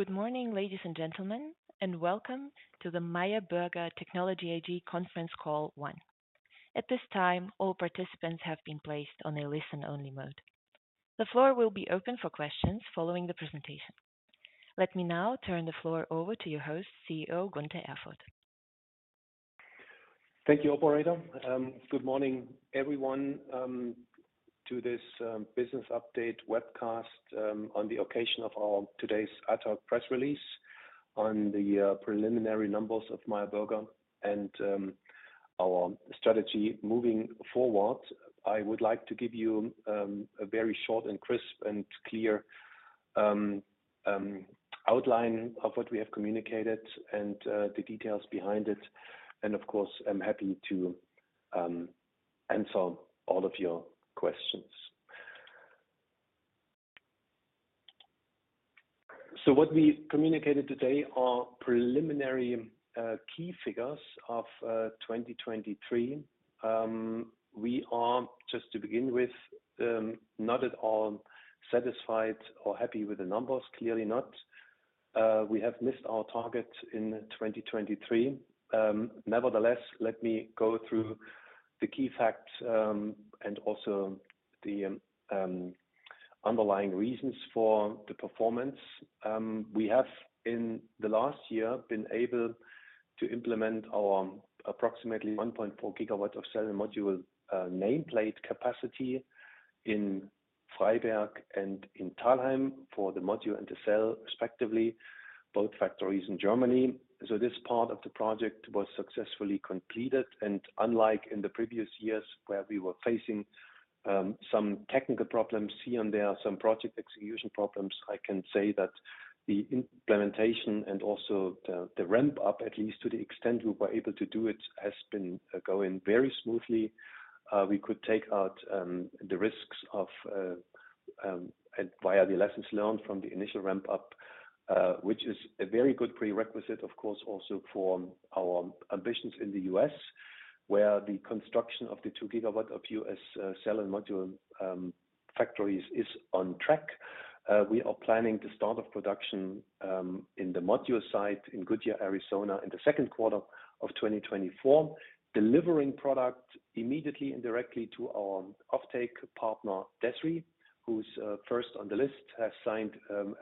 Good morning, ladies and gentlemen, and welcome to the Meyer Burger Technology AG Conference Call One. At this time, all participants have been placed on a listen-only mode. The floor will be open for questions following the presentation. Let me now turn the floor over to your host, CEO, Gunter Erfurt. Thank you, operator. Good morning, everyone, to this business update webcast on the occasion of our today's ad hoc press release on the preliminary numbers of Meyer Burger and our strategy moving forward. I would like to give you a very short and crisp and clear outline of what we have communicated and the details behind it, and of course, I'm happy to answer all of your questions. So what we communicated today are preliminary key figures of 2023. We are, just to begin with, not at all satisfied or happy with the numbers, clearly not. We have missed our target in 2023. Nevertheless, let me go through the key facts and also the underlying reasons for the performance. We have, in the last year, been able to implement our approximately 1.4 GW of cell and module nameplate capacity in Freiberg and in Thalheim for the module and the cell, respectively, both factories in Germany. So this part of the project was successfully completed, and unlike in the previous years, where we were facing some technical problems, here and there, some project execution problems, I can say that the implementation and also the ramp-up, at least to the extent we were able to do it, has been going very smoothly. We could take out the risks via the lessons learned from the initial ramp-up, which is a very good prerequisite, of course, also for our ambitions in the U.S., where the construction of the two GW of U.S. cell and module factories is on track. We are planning the start of production in the module site in Goodyear, Arizona, in the second quarter of 2024, delivering product immediately and directly to our offtake partner, DESRI, who's first on the list, has signed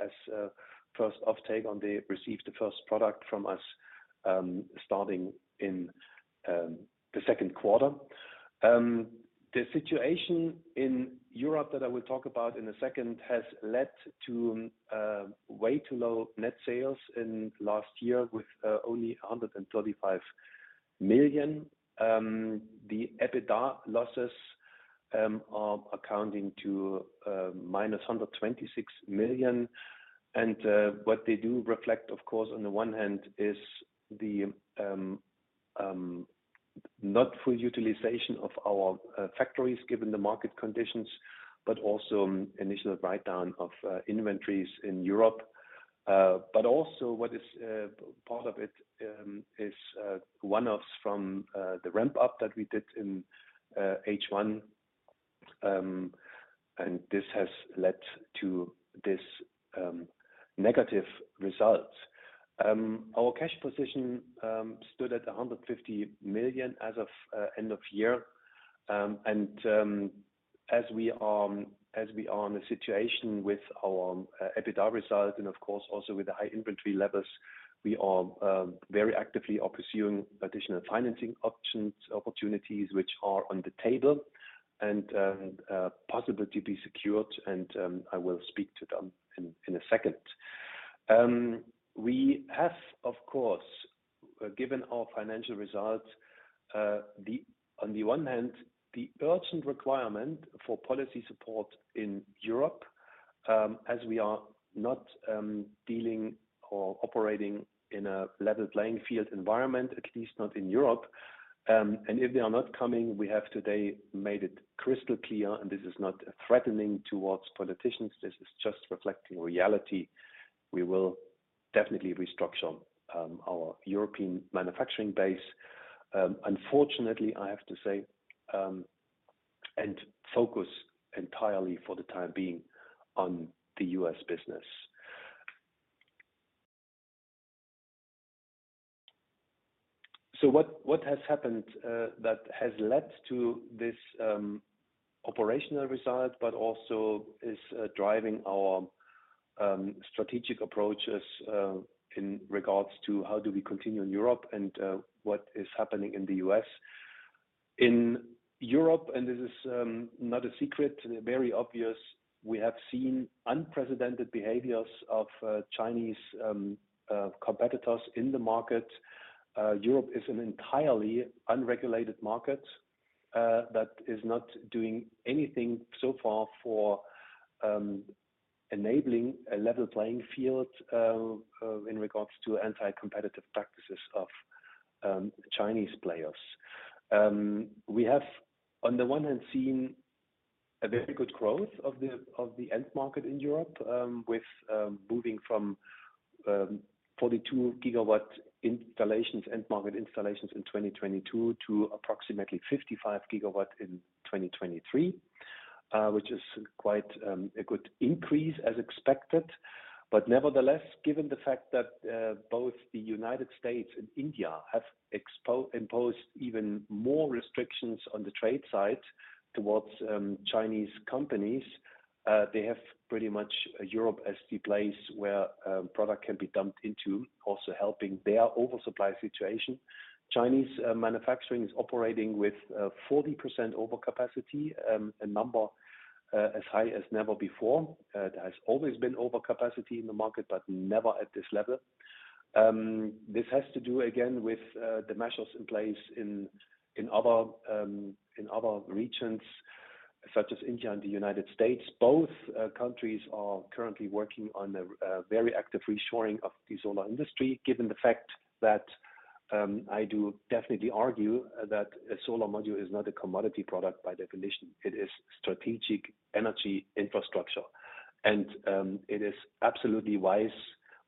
as first offtake on the-- receive the first product from us starting in the second quarter. The situation in Europe that I will talk about in a second has led to way too low net sales in last year, with only 135 million. The EBITDA losses are accounting to -126 million. And what they do reflect, of course, on the one hand, is the not full utilization of our factories, given the market conditions, but also initial write down of inventories in Europe. But also what is part of it is one-offs from the ramp-up that we did in H1, and this has led to this negative results. Our cash position stood at 150 million as of end of year. And as we are on the situation with our EBITDA result, and of course, also with the high inventory levels, we are very actively are pursuing additional financing options, opportunities which are on the table and possibly to be secured, and I will speak to them in a second. We have, of course, given our financial results, on the one hand, the urgent requirement for policy support in Europe, as we are not dealing or operating in a level playing field environment, at least not in Europe. If they are not coming, we have today made it crystal clear, and this is not a threatening towards politicians, this is just reflecting reality. We will definitely restructure our European manufacturing base. Unfortunately, I have to say, and focus entirely for the time being on the U.S. business. So what has happened that has led to this operational result, but also is driving our strategic approaches in regards to how do we continue in Europe and what is happening in the U.S.? In Europe, and this is not a secret, very obvious, we have seen unprecedented behaviors of Chinese competitors in the market. Europe is an entirely unregulated market that is not doing anything so far for enabling a level playing field in regards to anti-competitive practices of Chinese players. We have, on the one hand, seen a very good growth of the end market in Europe with moving from 42 gigawatt installations, end market installations in 2022 to approximately 55 gigawatt in 2023, which is quite a good increase as expected. But nevertheless, given the fact that both the U.S. and India have imposed even more restrictions on the trade side towards Chinese companies, they have pretty much Europe as the place where product can be dumped into, also helping their oversupply situation. Chinese manufacturing is operating with 40% overcapacity, a number as high as never before. There has always been overcapacity in the market, but never at this level. This has to do, again, with the measures in place in other regions, such as India and the U.S.. Both countries are currently working on a very active reshoring of the solar industry, given the fact that I do definitely argue that a solar module is not a commodity product by definition. It is strategic energy infrastructure, and it is absolutely wise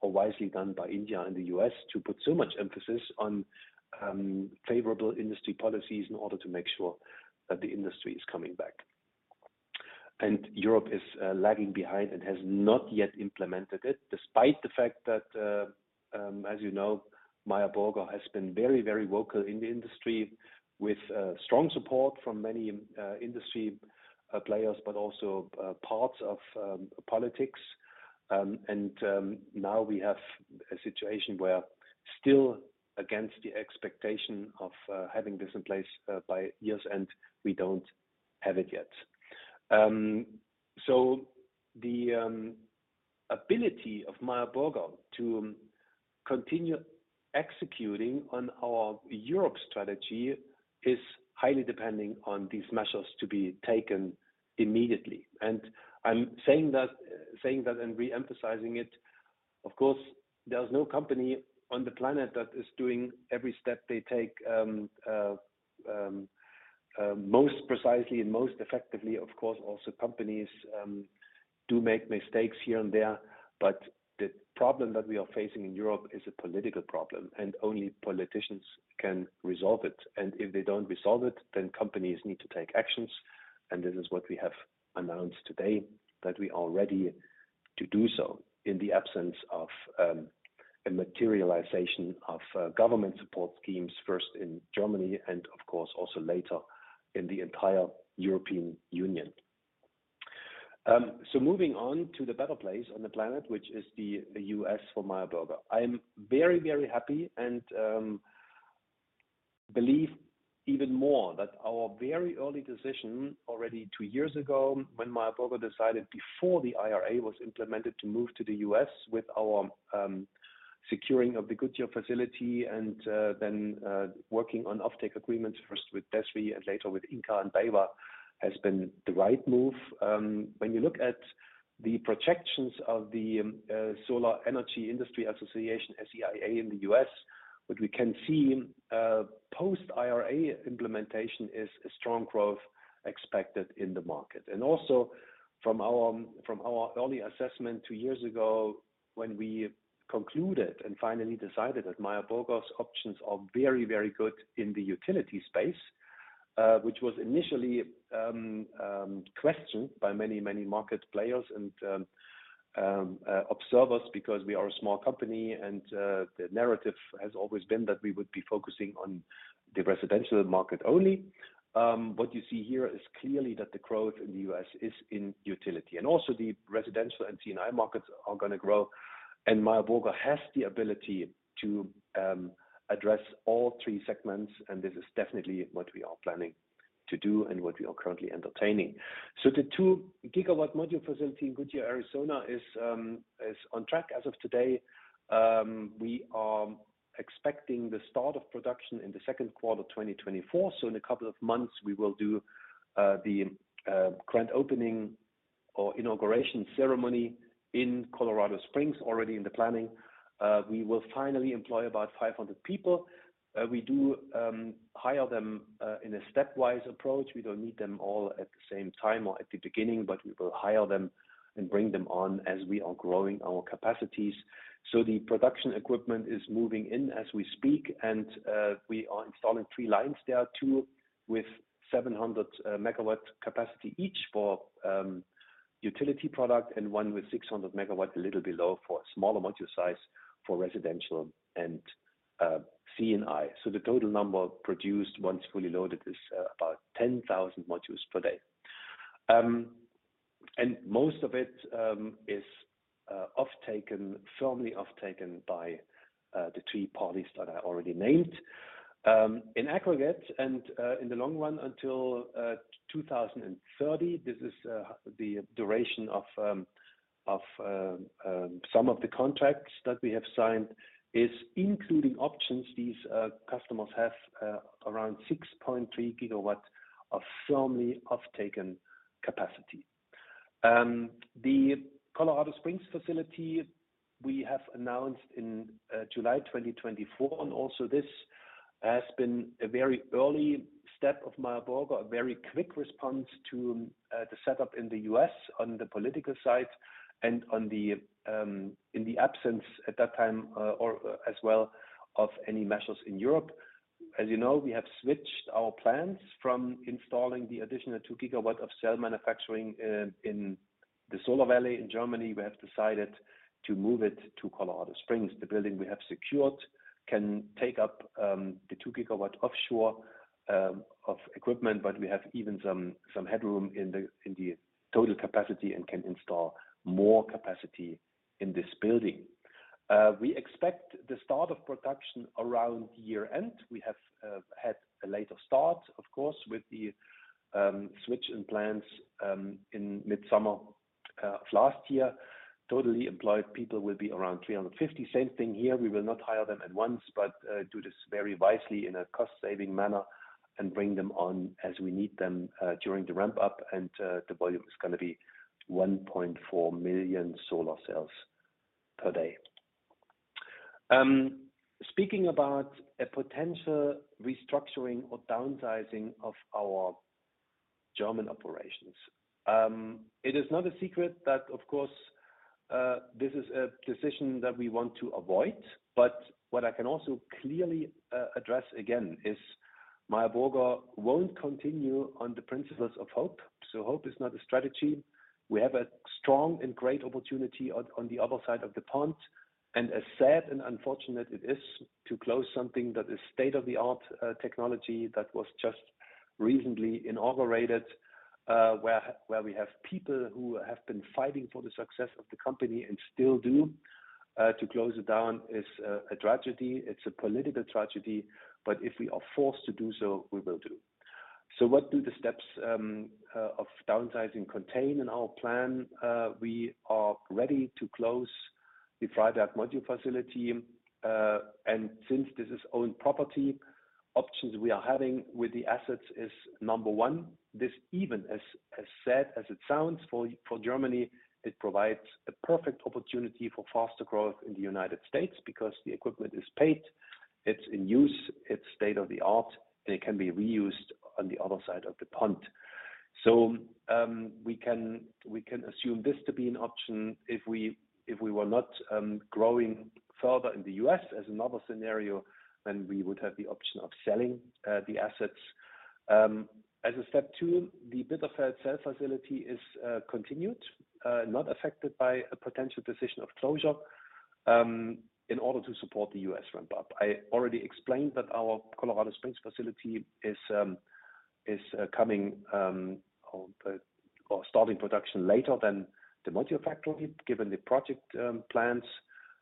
or wisely done by India and the U.S. to put so much emphasis on favorable industry policies in order to make sure that the industry is coming back. And Europe is lagging behind and has not yet implemented it, despite the fact that, as you know, Meyer Burger has been very, very vocal in the industry with strong support from many industry players, but also parts of politics. And now we have a situation where still against the expectation of having this in place by years, and we don't have it yet. So the ability of Meyer Burger to continue executing on our Europe strategy is highly depending on these measures to be taken immediately. And I'm saying that, saying that and re-emphasizing it, of course, there's no company on the planet that is doing every step they take, most precisely and most effectively. Of course, also, companies do make mistakes here and there, but the problem that we are facing in Europe is a political problem, and only politicians can resolve it. And if they don't resolve it, then companies need to take actions, and this is what we have announced today, that we are ready to do so in the absence of, a materialization of, government support schemes, first in Germany and of course, also later in the entire European Union. So moving on to the better place on the planet, which is the U.S. for Meyer Burger. I am very, very happy and, believe even more that our very early decision, already two years ago, when Meyer Burger decided before the IRA was implemented, to move to the U.S. with our, securing of the Goodyear facility and, then, working on offtake agreements, first with DESRI and later with Ingka and BayWa, has been the right move. When you look at the projections of the, Solar Energy Industry Association, SEIA, in the U.S., what we can see, post-IRA implementation is a strong growth expected in the market. From our early assessment two years ago, when we concluded and finally decided that Meyer Burger's options are very, very good in the utility space, which was initially questioned by many, many market players and observers, because we are a small company and the narrative has always been that we would be focusing on the residential market only. What you see here is clearly that the growth in the U.S. is in utility, and also the residential and C&I markets are gonna grow, and Meyer Burger has the ability to address all three segments, and this is definitely what we are planning to do and what we are currently entertaining. The 2-gigawatt module facility in Goodyear, Arizona, is on track as of today. We are expecting the start of production in the second quarter, 2024. So in a couple of months, we will do the grand opening or inauguration ceremony in Colorado Springs. Already in the planning. We will finally employ about 500 people. We do hire them in a stepwise approach. We don't need them all at the same time or at the beginning, but we will hire them and bring them on as we are growing our capacities. So the production equipment is moving in as we speak, and we are installing three lines. There are two with 700 MW capacity each for utility product, and one with 600 MW, a little below, for smaller module size for residential and C&I. So the total number produced, once fully loaded, is about 10,000 modules per day. And most of it is offtaken, firmly offtaken by the three parties that I already named. In aggregate and in the long run until 2030, this is the duration of some of the contracts that we have signed, is including options these customers have around 6.3 gigawatts of firmly offtaken capacity. The Colorado Springs facility, we have announced in July 2024, and also this has been a very early step of Meyer Burger, a very quick response to the setup in the U.S. on the political side and on the... In the absence at that time, or as well, of any measures in Europe. As you know, we have switched our plans from installing the additional two GW of cell manufacturing in the Solar Valley in Germany. We have decided to move it to Colorado Springs. The building we have secured can take up the two GW offshore of equipment, but we have even some headroom in the total capacity and can install more capacity in this building. We expect the start of production around year-end. We have had a later start, of course, with the switch in plans in mid-summer of last year. Total employed people will be around 350. Same thing here, we will not hire them at once, but, do this very wisely in a cost-saving manner and bring them on as we need them, during the ramp-up, and, the volume is going to be 1.4 million solar cells per day. Speaking about a potential restructuring or downsizing of our German operations. It is not a secret that of course, this is a decision that we want to avoid, but what I can also clearly, address again, is Meyer Burger won't continue on the principles of hope. So hope is not a strategy. We have a strong and great opportunity on the other side of the pond, and as sad and unfortunate it is to close something that is state-of-the-art technology that was just recently inaugurated, where we have people who have been fighting for the success of the company and still do. To close it down is a tragedy. It's a political tragedy, but if we are forced to do so, we will do. So what do the steps of downsizing contain in our plan? We are ready to close the Freiberg module facility, and since this is owned property, options we are having with the assets is number one. This even as, as sad as it sounds for Germany, it provides a perfect opportunity for faster growth in the U.S. because the equipment is paid, it's in use, it's state-of-the-art, and it can be reused on the other side of the pond. So, we can, we can assume this to be an option. If we, if we were not growing further in the U.S. as another scenario, then we would have the option of selling the assets. As a step two, the Bitterfeld cell facility is continued, not affected by a potential decision of closure in order to support the U.S. ramp-up. I already explained that our Colorado Springs facility is coming or starting production later than the module factory, given the project plans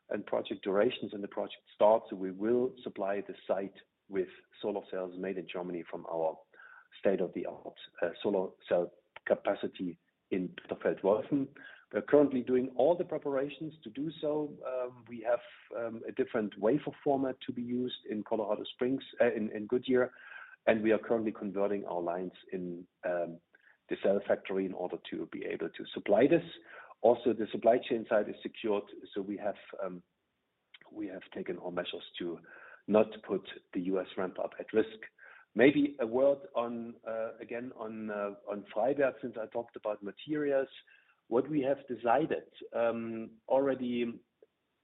and project durations and the project starts. We will supply the site with solar cells made in Germany from our state-of-the-art solar cell capacity in Bitterfeld-Wolfen. We're currently doing all the preparations to do so. We have a different wafer format to be used in Colorado Springs, in Goodyear, and we are currently converting our lines in the cell factory in order to be able to supply this. Also, the supply chain side is secured, so we have taken all measures to not put the U.S. ramp-up at risk. Maybe a word on, again, on Freiberg, since I talked about materials. What we have decided, already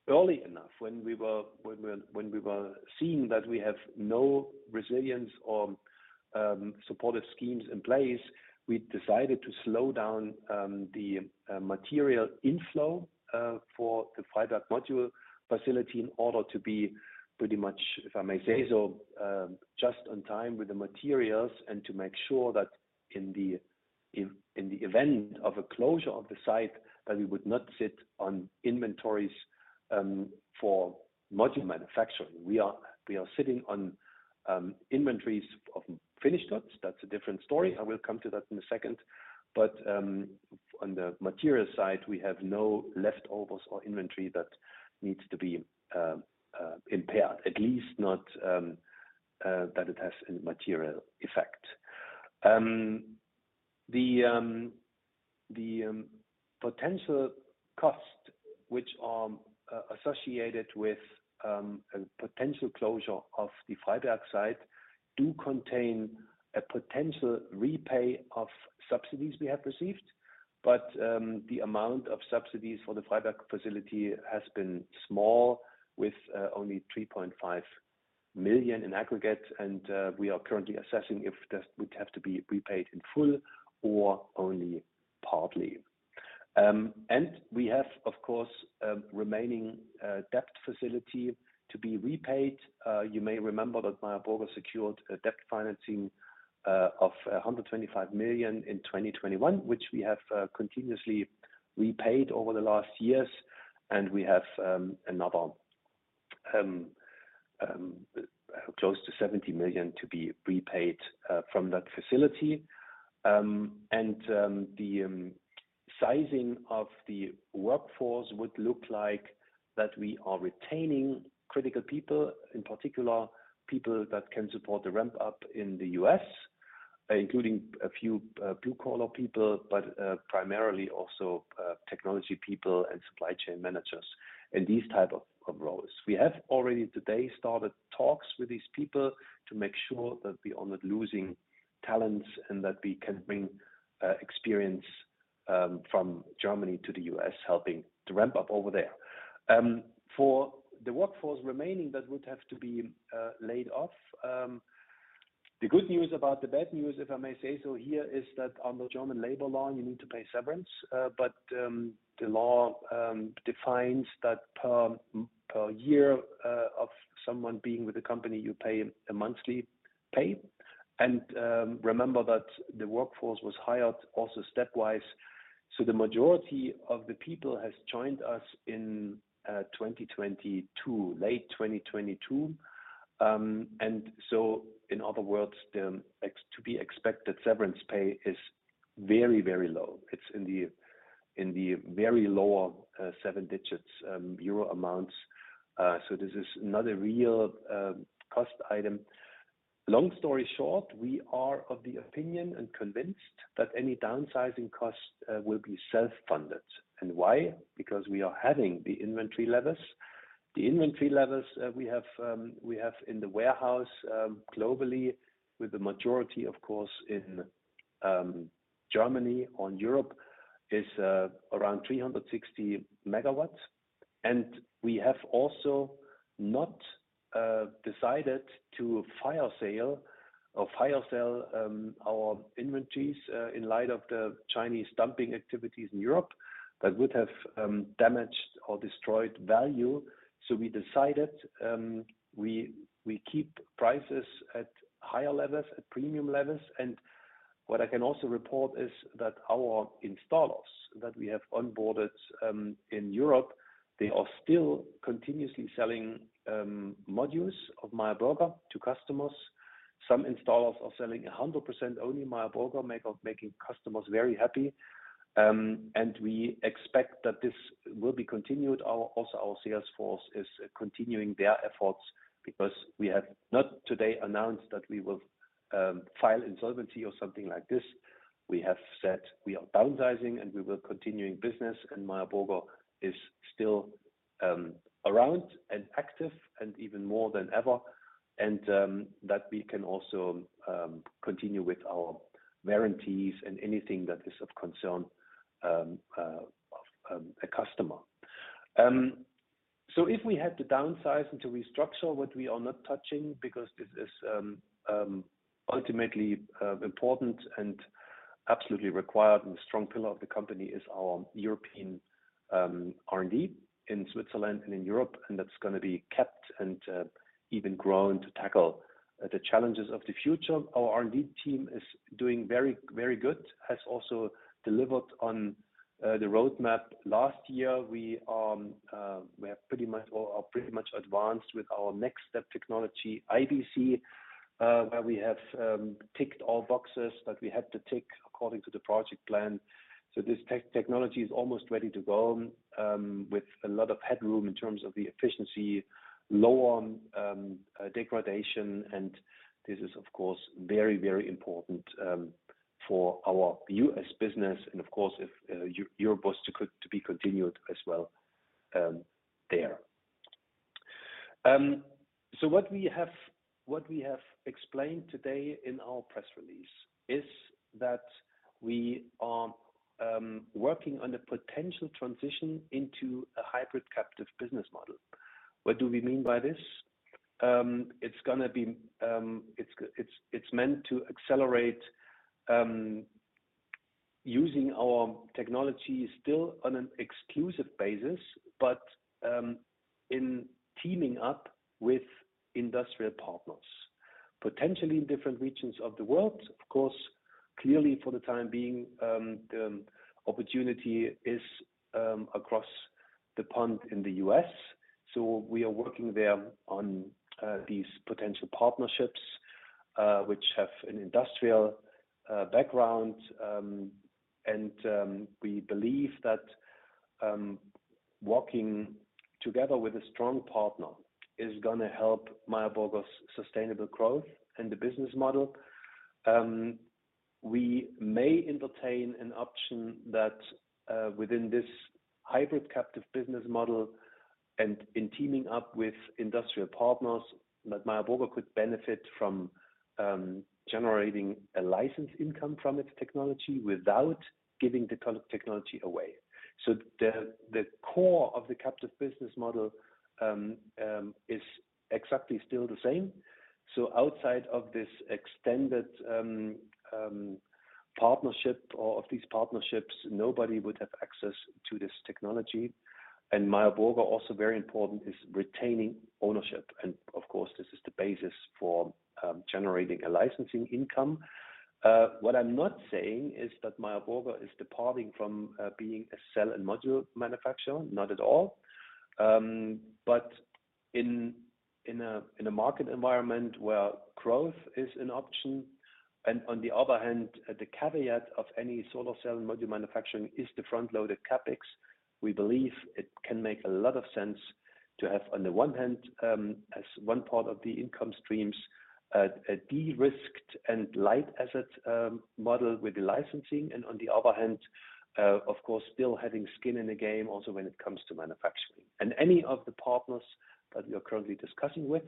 early enough when we were seeing that we have no resilience or supportive schemes in place, we decided to slow down the material inflow for the Freiberg module facility in order to be pretty much, if I may say so, just on time with the materials, and to make sure that in the event of a closure of the site, that we would not sit on inventories for module manufacturing. We are sitting on inventories of finished goods. That's a different story. I will come to that in a second. On the material side, we have no leftovers or inventory that needs to be impaired, at least not that it has a material effect. The potential cost, which are associated with a potential closure of the Freiberg site, do contain a potential repay of subsidies we have received. But the amount of subsidies for the Freiberg facility has been small, with only 3.5 million in aggregate, and we are currently assessing if that would have to be repaid in full or only partly. We have, of course, a remaining debt facility to be repaid. You may remember that Meyer Burger secured a debt financing of 125 million in 2021, which we have continuously repaid over the last years, and we have another close to 70 million to be prepaid from that facility. And the sizing of the workforce would look like that we are retaining critical people, in particular, people that can support the ramp-up in the U.S., including a few blue-collar people, but primarily also technology people and supply chain managers, and these type of roles. We have already today started talks with these people to make sure that we are not losing talents, and that we can bring experience from Germany to the U.S., helping to ramp up over there. For the workforce remaining, that would have to be laid off. The good news about the bad news, if I may say so here, is that on the German labor law, you need to pay severance. But the law defines that per year of someone being with the company, you pay a monthly pay. And remember that the workforce was hired also stepwise, so the majority of the people has joined us in 2022, late 2022. And so in other words, the expected severance pay is very, very low. It's in the very lower seven-digit EUR amounts. So this is not a real cost item. Long story short, we are of the opinion and convinced that any downsizing costs will be self-funded. And why? Because we are having the inventory levels. The inventory levels we have in the warehouse globally, with the majority, of course, in Germany, in Europe, is around 360 megawatts. And we have also not decided to fire sale or fire sell our inventories in light of the Chinese dumping activities in Europe, that would have damaged or destroyed value. So we decided we keep prices at higher levels, at premium levels. And what I can also report is that our installers that we have onboarded in Europe, they are still continuously selling modules of Meyer Burger to customers. Some installers are selling 100% only Meyer Burger, making customers very happy. And we expect that this will be continued. Also, our sales force is continuing their efforts because we have not today announced that we will file insolvency or something like this. We have said we are downsizing and we will continuing business, and Meyer Burger is still around and active and even more than ever, and that we can also continue with our warranties and anything that is of concern a customer. So if we had to downsize and to restructure, what we are not touching, because this is ultimately important and absolutely required, and the strong pillar of the company is our European R&D in Switzerland and in Europe, and that's gonna be kept and even grown to tackle the challenges of the future. Our R&D team is doing very, very good, has also delivered on the roadmap. Last year, we are pretty much advanced with our next step technology, IBC, where we have ticked all boxes that we had to tick according to the project plan. So this technology is almost ready to go, with a lot of headroom in terms of the efficiency, low on degradation, and this is, of course, very, very important for our U.S. business and of course, if Europe was to be continued as well, there. So what we have explained today in our press release is that we are working on a potential transition into a hybrid captive business model. What do we mean by this? It's meant to accelerate using our technology still on an exclusive basis, but in teaming up with industrial partners, potentially in different regions of the world. Of course, clearly, for the time being, the opportunity is across the pond in the U.S. So we are working there on these potential partnerships, which have an industrial background. We believe that working together with a strong partner is gonna help Meyer Burger's sustainable growth and the business model. We may entertain an option that, within this hybrid captive business model and in teaming up with industrial partners, that Meyer Burger could benefit from generating a license income from its technology without giving the technology away. So the core of the captive business model is exactly still the same. So outside of this extended partnership or of these partnerships, nobody would have access to this technology. And Meyer Burger, also very important, is retaining ownership, and of course, this is the basis for generating a licensing income. What I'm not saying is that Meyer Burger is departing from being a cell and module manufacturer, not at all. But in a market environment where growth is an option, and on the other hand, the caveat of any solar cell and module manufacturing is the front-loaded CapEx. We believe it can make a lot of sense to have, on the one hand, as one part of the income streams, a de-risked and light asset model with the licensing, and on the other hand, of course, still having skin in the game also when it comes to manufacturing. And any of the partners that we are currently discussing with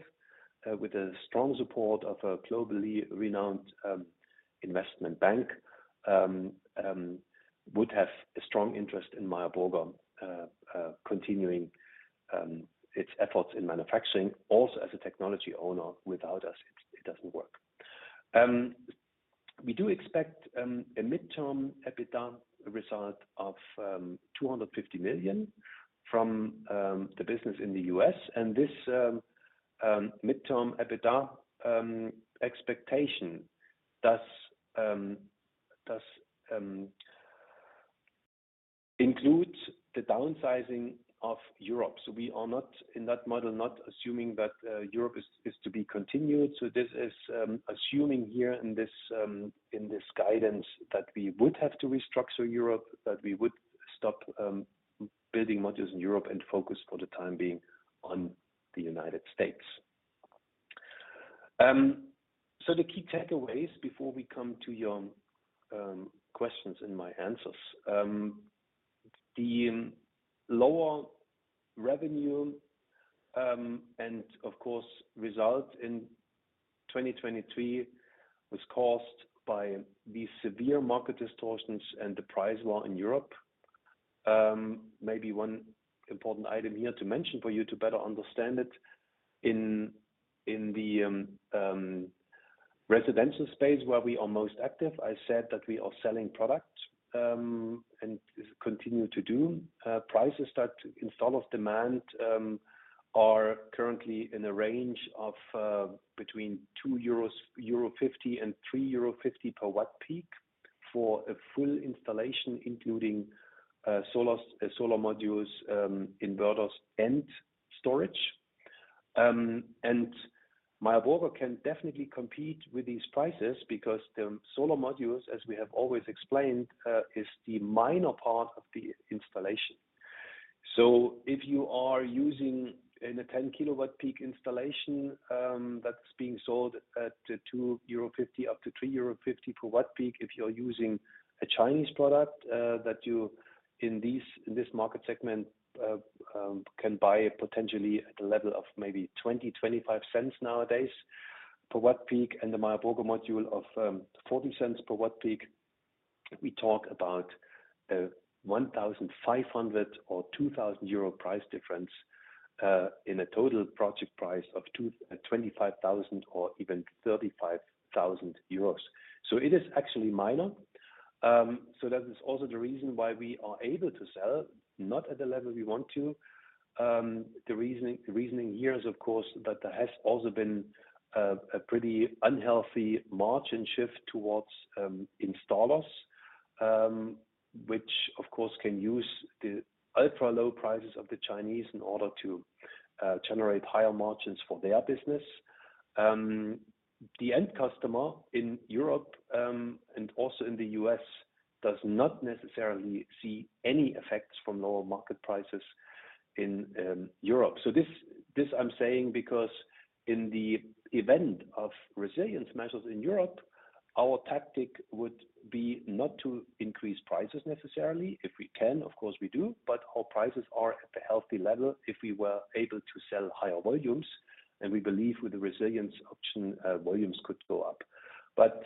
a strong support of a globally renowned investment bank would have a strong interest in Meyer Burger continuing its efforts in manufacturing, also as a technology owner. Without us, it doesn't work. We do expect a midterm EBITDA result of $250 million from the business in the U.S. And this midterm EBITDA expectation does include the downsizing of Europe. So we are not, in that model, not assuming that Europe is to be continued. So this is assuming here in this guidance that we would have to restructure Europe, that we would stop building modules in Europe and focus for the time being on the U.S.. So the key takeaways before we come to your questions and my answers. The lower revenue and of course result in 2023 was caused by the severe market distortions and the price war in Europe. Maybe one important item here to mention for you to better understand it, in the residential space where we are most active, I said that we are selling products and continue to do. Prices, installer demand, are currently in a range of between 2.50 euros and 3.50 euro per Wp for a full installation, including solar modules, inverters and storage. Meyer Burger can definitely compete with these prices because the solar modules, as we have always explained, is the minor part of the installation. So if you are using in a 10-kWp installation, that's being sold at 2.50 euro up to 3.50 euro per Wp. If you're using a Chinese product that you in this market segment can buy potentially at a level of maybe 0.20-0.25 nowadays per watt peak, and the Meyer Burger module of 40 cents per watt peak, we talk about 1,500 or 2,000 euro price difference in a total project price of 25,000 or even 35,000 euros. So it is actually minor. So that is also the reason why we are able to sell not at the level we want to. The reasoning here is, of course, that there has also been a pretty unhealthy margin shift towards installers which of course can use the ultra-low prices of the Chinese in order to generate higher margins for their business. The end customer in Europe and also in the U.S. does not necessarily see any effects from lower market prices in Europe. So this, I'm saying, because in the event of resilience measures in Europe, our tactic would be not to increase prices necessarily. If we can, of course, we do, but our prices are at a healthy level if we were able to sell higher volumes, and we believe with the resilience option, volumes could go up. But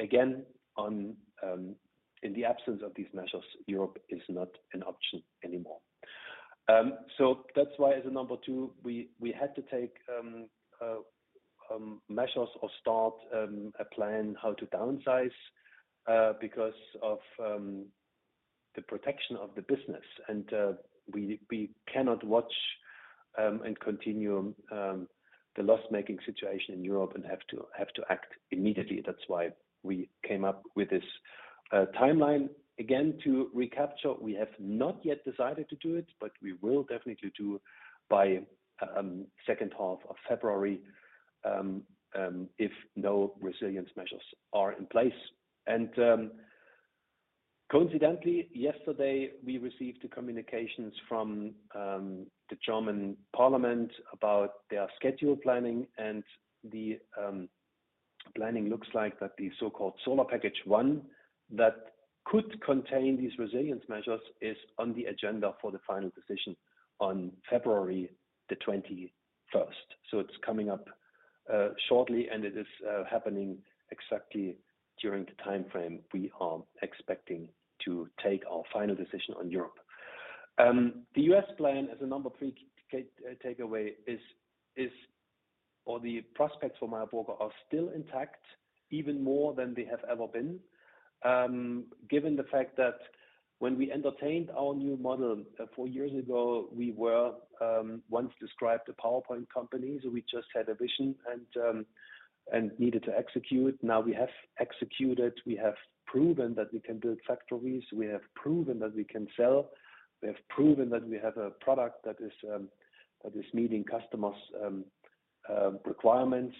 again, in the absence of these measures, Europe is not an option anymore. So that's why as a number two, we had to take measures or start a plan how to downsize because of the protection of the business. And, we cannot watch and continue the loss-making situation in Europe and have to act immediately. That's why we came up with this timeline. Again, to recap, we have not yet decided to do it, but we will definitely do by second half of February if no resilience measures are in place. And, coincidentally, yesterday, we received the communications from the German Parliament about their schedule planning, and the planning looks like that the so-called Solar Package I, that could contain these resilience measures, is on the agenda for the final decision on February 21st. So it's coming up shortly, and it is happening exactly during the time frame we are expecting to take our final decision on Europe. The U.S. plan as number three key takeaway is, or the prospects for Meyer Burger are still intact, even more than they have ever been. Given the fact that when we entertained our new model four years ago, we were once described as a PowerPoint company, so we just had a vision and needed to execute. Now, we have executed, we have proven that we can build factories, we have proven that we can sell, we have proven that we have a product that is meeting customers' requirements.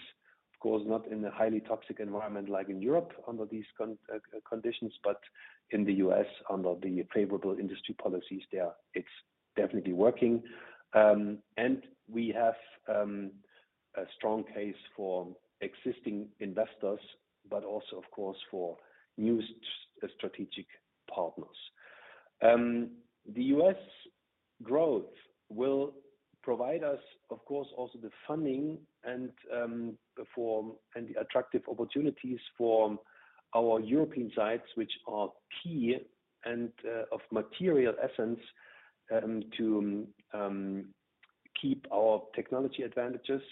Of course, not in a highly toxic environment like in Europe, under these conditions, but in the U.S., under the favorable industry policies there, it's definitely working. And we have a strong case for existing investors, but also, of course, for new strategic partners.... The U.S. growth will provide us, of course, also the funding and the attractive opportunities for our European sites, which are key and of material essence to keep our technology advantages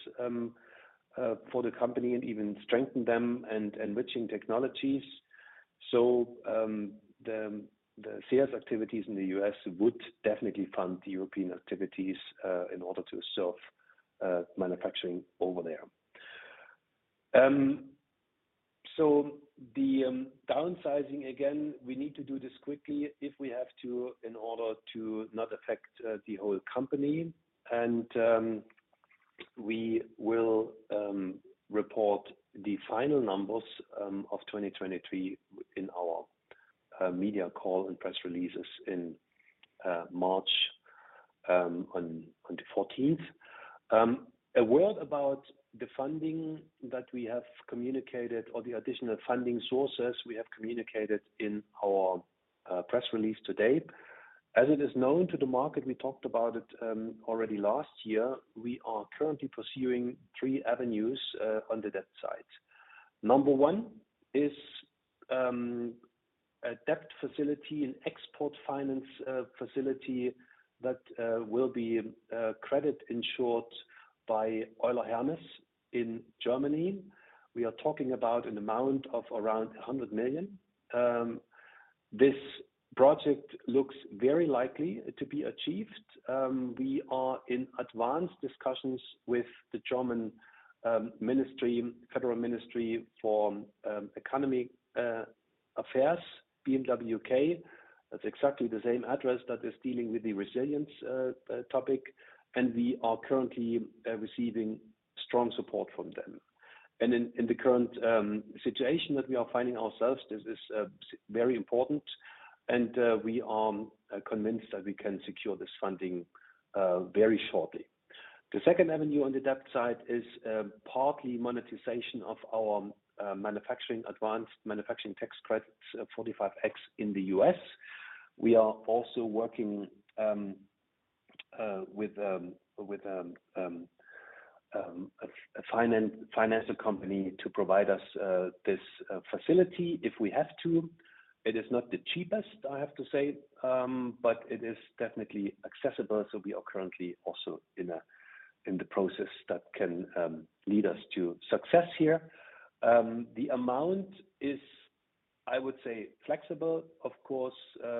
for the company and even strengthen them and enriching technologies. So, the sales activities in the U.S. would definitely fund the European activities in order to serve manufacturing over there. So the downsizing, again, we need to do this quickly if we have to, in order to not affect the whole company. And we will report the final numbers of 2023 in our media call and press releases in March 14th. A word about the funding that we have communicated or the additional funding sources we have communicated in our press release today. As it is known to the market, we talked about it already last year, we are currently pursuing three avenues on the debt side. Number one is a debt facility, an export finance facility that will be credit insured by Euler Hermes in Germany. We are talking about an amount of around 100 million. This project looks very likely to be achieved. We are in advanced discussions with the German Ministry, Federal Ministry for Economic Affairs, BMWK. That's exactly the same address that is dealing with the resilience topic, and we are currently receiving strong support from them. In the current situation that we are finding ourselves, this is very important, and we are convinced that we can secure this funding very shortly. The second avenue on the debt side is partly monetization of our manufacturing advanced manufacturing tax credits, 45X in the U.S. We are also working with a financial company to provide us this facility if we have to. It is not the cheapest, I have to say, but it is definitely accessible, so we are currently also in the process that can lead us to success here. The amount is, I would say, flexible, of course,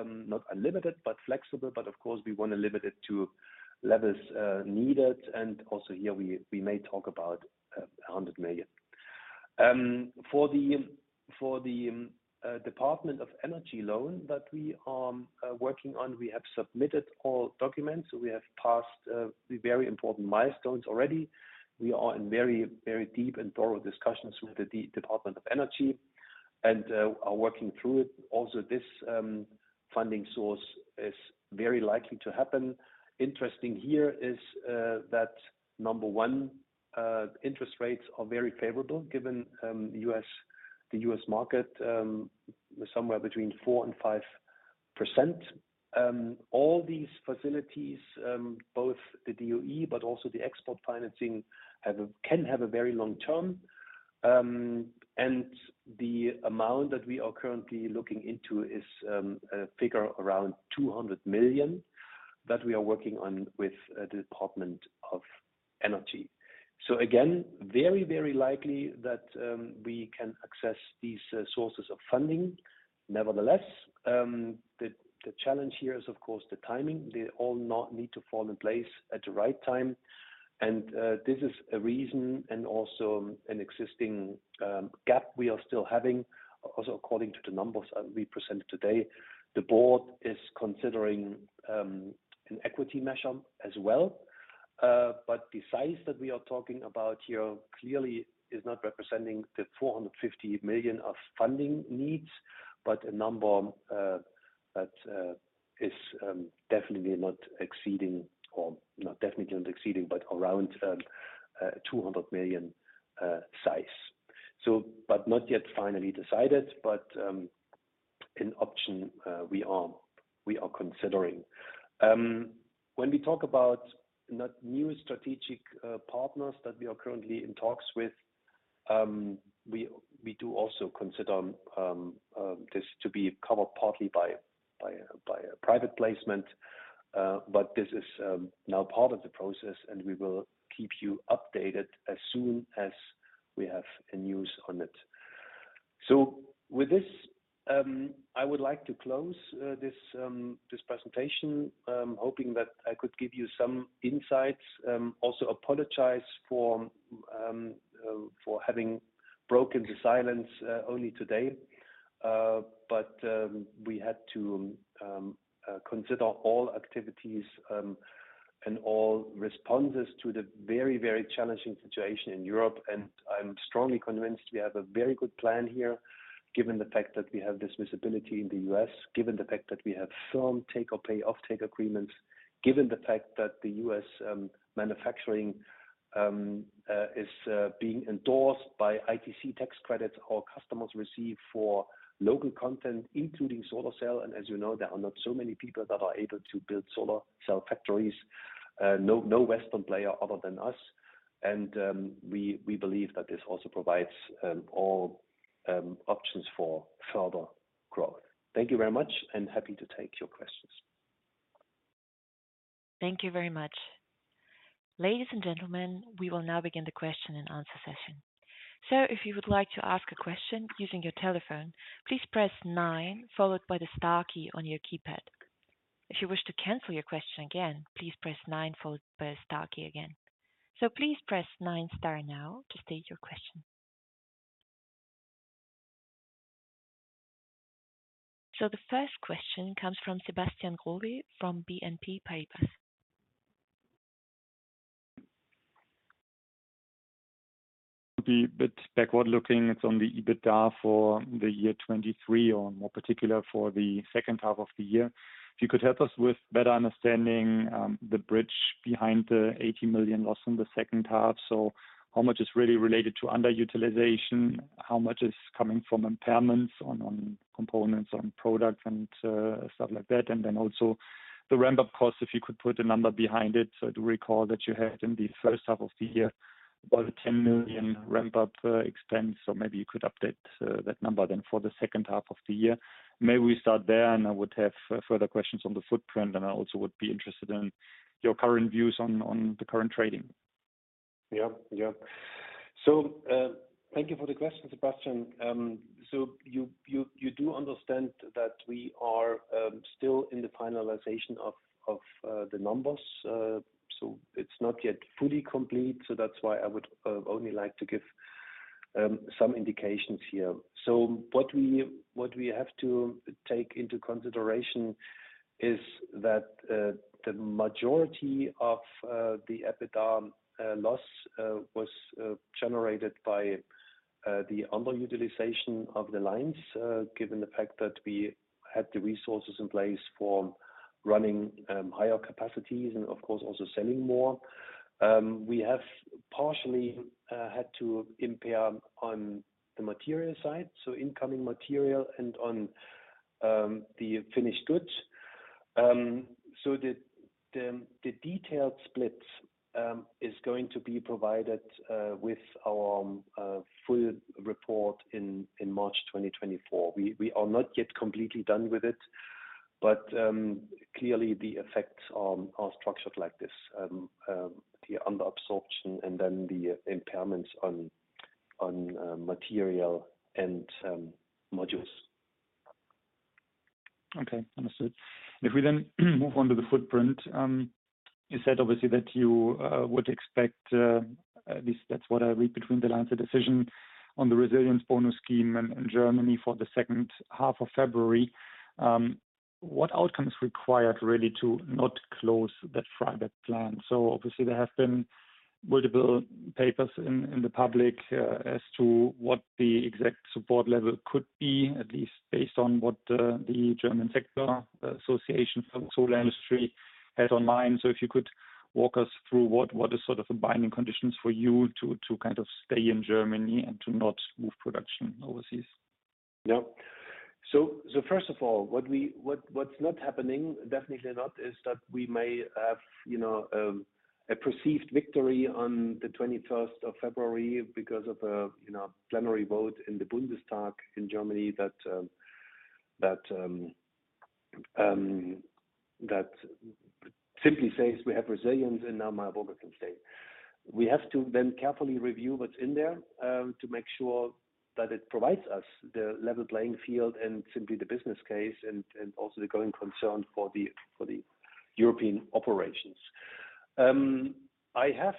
not unlimited, but flexible, but of course, we want to limit it to levels needed. Also, here we may talk about $100 million. For the Department of Energy loan that we are working on, we have submitted all documents. We have passed the very important milestones already. We are in very, very deep and thorough discussions with the Department of Energy and are working through it. Also, this funding source is very likely to happen. Interesting here is that number one, interest rates are very favorable, given the U.S. market, somewhere between 4%-5%. All these facilities, both the DOE, but also the export financing, can have a very long term. And the amount that we are currently looking into is a figure around $200 million that we are working on with the Department of Energy. So again, very, very likely that we can access these sources of funding. Nevertheless, the challenge here is, of course, the timing. They all not need to fall in place at the right time, and this is a reason and also an existing gap we are still having. Also, according to the numbers that we presented today, the board is considering an equity measure as well. But the size that we are talking about here clearly is not representing the $450 million of funding needs, but a number that is definitely not exceeding or not definitely not exceeding, but around $200 million size. So, but not yet finally decided, but, an option we are considering. When we talk about the new strategic partners that we are currently in talks with, we do also consider this to be covered partly by a private placement. But this is now part of the process, and we will keep you updated as soon as we have news on it. So with this, I would like to close this presentation. I'm hoping that I could give you some insights. Also, apologize for having broken the silence only today. But we had to consider all activities and all responses to the very, very challenging situation in Europe. I'm strongly convinced we have a very good plan here, given the fact that we have this visibility in the U.S., given the fact that we have firm take-or-pay offtake agreements, given the fact that the U.S. manufacturing is being endorsed by ITC tax credits our customers receive for local content, including solar cell. And as you know, there are not so many people that are able to build solar cell factories. No, no Western player other than us. And we believe that this also provides all options for further growth. Thank you very much, and happy to take your questions. Thank you very much. Ladies and gentlemen, we will now begin the question and answer session. So if you would like to ask a question using your telephone, please press nine, followed by the star key on your keypad. If you wish to cancel your question again, please press nine, followed by the star key again. So please press nine star now to state your question. So the first question comes from Sebastian Growe from BNP Paribas. Be a bit backward-looking. It's on the EBITDA for the year 2023, or more particular, for the second half of the year. If you could help us with better understanding the bridge behind the 80 million loss in the second half. So how much is really related to underutilization? How much is coming from impairments on, on components, on products and, stuff like that? And then also the ramp-up costs, if you could put a number behind it. So I do recall that you had in the first half of the year, about a 10 million ramp-up expense, so maybe you could update that number then for the second half of the year. May we start there, and I would have further questions on the footprint, and I also would be interested in your current views on the current trading. Yeah. Yeah. So, thank you for the question, Sebastian. So you do understand that we are still in the finalization of the numbers, so it's not yet fully complete. So that's why I would only like to give some indications here. So what we have to take into consideration is that the majority of the EBITDA loss was generated by the underutilization of the lines, given the fact that we had the resources in place for running higher capacities and of course, also selling more. We have partially had to impair on the material side, so incoming material and on the finished goods. So the detailed splits is going to be provided with our full report in March 2024. We are not yet completely done with it, but clearly the effects are structured like this. The under absorption and then the impairments on material and modules. Okay, understood. If we then move on to the footprint, you said obviously that you would expect, at least that's what I read between the lines, the decision on the resilience bonus scheme in Germany for the second half of February. What outcome is required really, to not close that Freiberg plant? So obviously there have been multiple papers in the public, as to what the exact support level could be, at least based on what the German Sector Association for Solar Industry had in mind. So if you could walk us through what is sort of the binding conditions for you to kind of stay in Germany and to not move production overseas? Yep. So first of all, what's not happening, definitely not, is that we may have, you know, a perceived victory on the February 21st because of a, you know, plenary vote in the Bundestag in Germany that simply says we have resilience and now my work can stay. We have to then carefully review what's in there to make sure that it provides us the level playing field and simply the business case and also the growing concern for the European operations. I have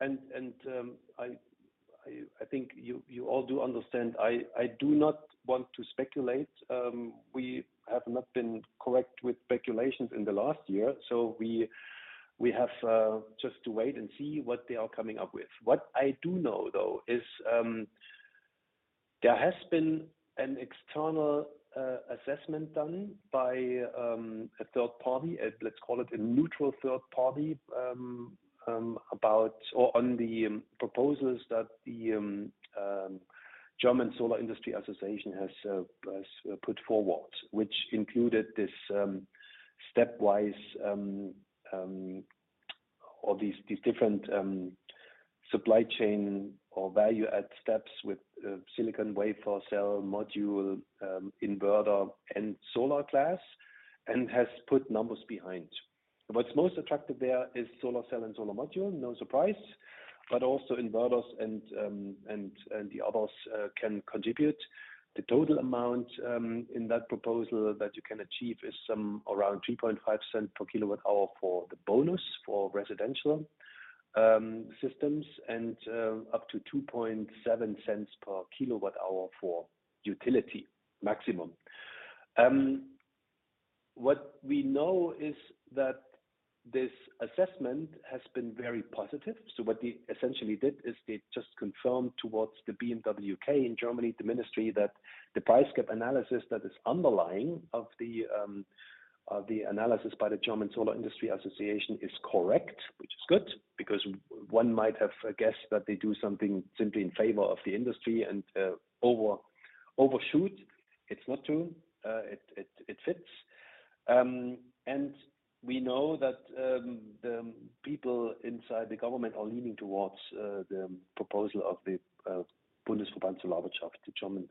and I think you all do understand, I do not want to speculate. We have not been correct with speculations in the last year, so we have just to wait and see what they are coming up with. What I do know though is, there has been an external assessment done by a third party, at let's call it a neutral third party, about or on the proposals that the German Solar Industry Association has put forward, which included this stepwise or these different supply chain or value add steps with silicon wafer, cell, module, inverter, and solar glass, and has put numbers behind. What's most attractive there is solar cell and solar module, no surprise, but also inverters and the others can contribute. The total amount in that proposal that you can achieve is some around 0.035 per kWh for the bonus for residential systems and up to 0.027 per kWh for utility maximum. What we know is that this assessment has been very positive. So what they essentially did is they just confirmed towards the BMWK in Germany, the ministry, that the price gap analysis that is underlying of the analysis by the German Solar Industry Association is correct, which is good, because one might have guessed that they do something simply in favor of the industry and over, overshoot. It's not true, it fits. And we know that the people inside the government are leaning towards the proposal of the Bundesverband Solarwirtschaft, the German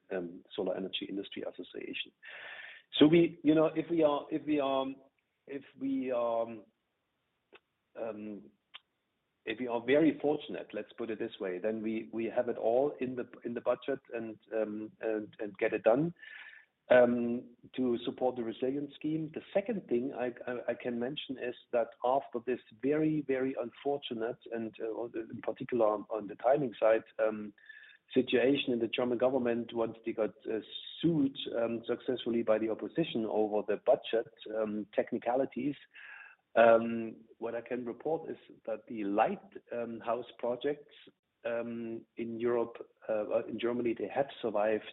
Solar Energy Industry Association. So we, you know, if we are very fortunate, let's put it this way, then we have it all in the budget and get it done to support the resilience scheme. The second thing I can mention is that after this very, very unfortunate and, in particular on the timing side, situation in the German government, once they got sued successfully by the opposition over the budget technicalities. What I can report is that the lighthouse projects in Europe, well, in Germany, they have survived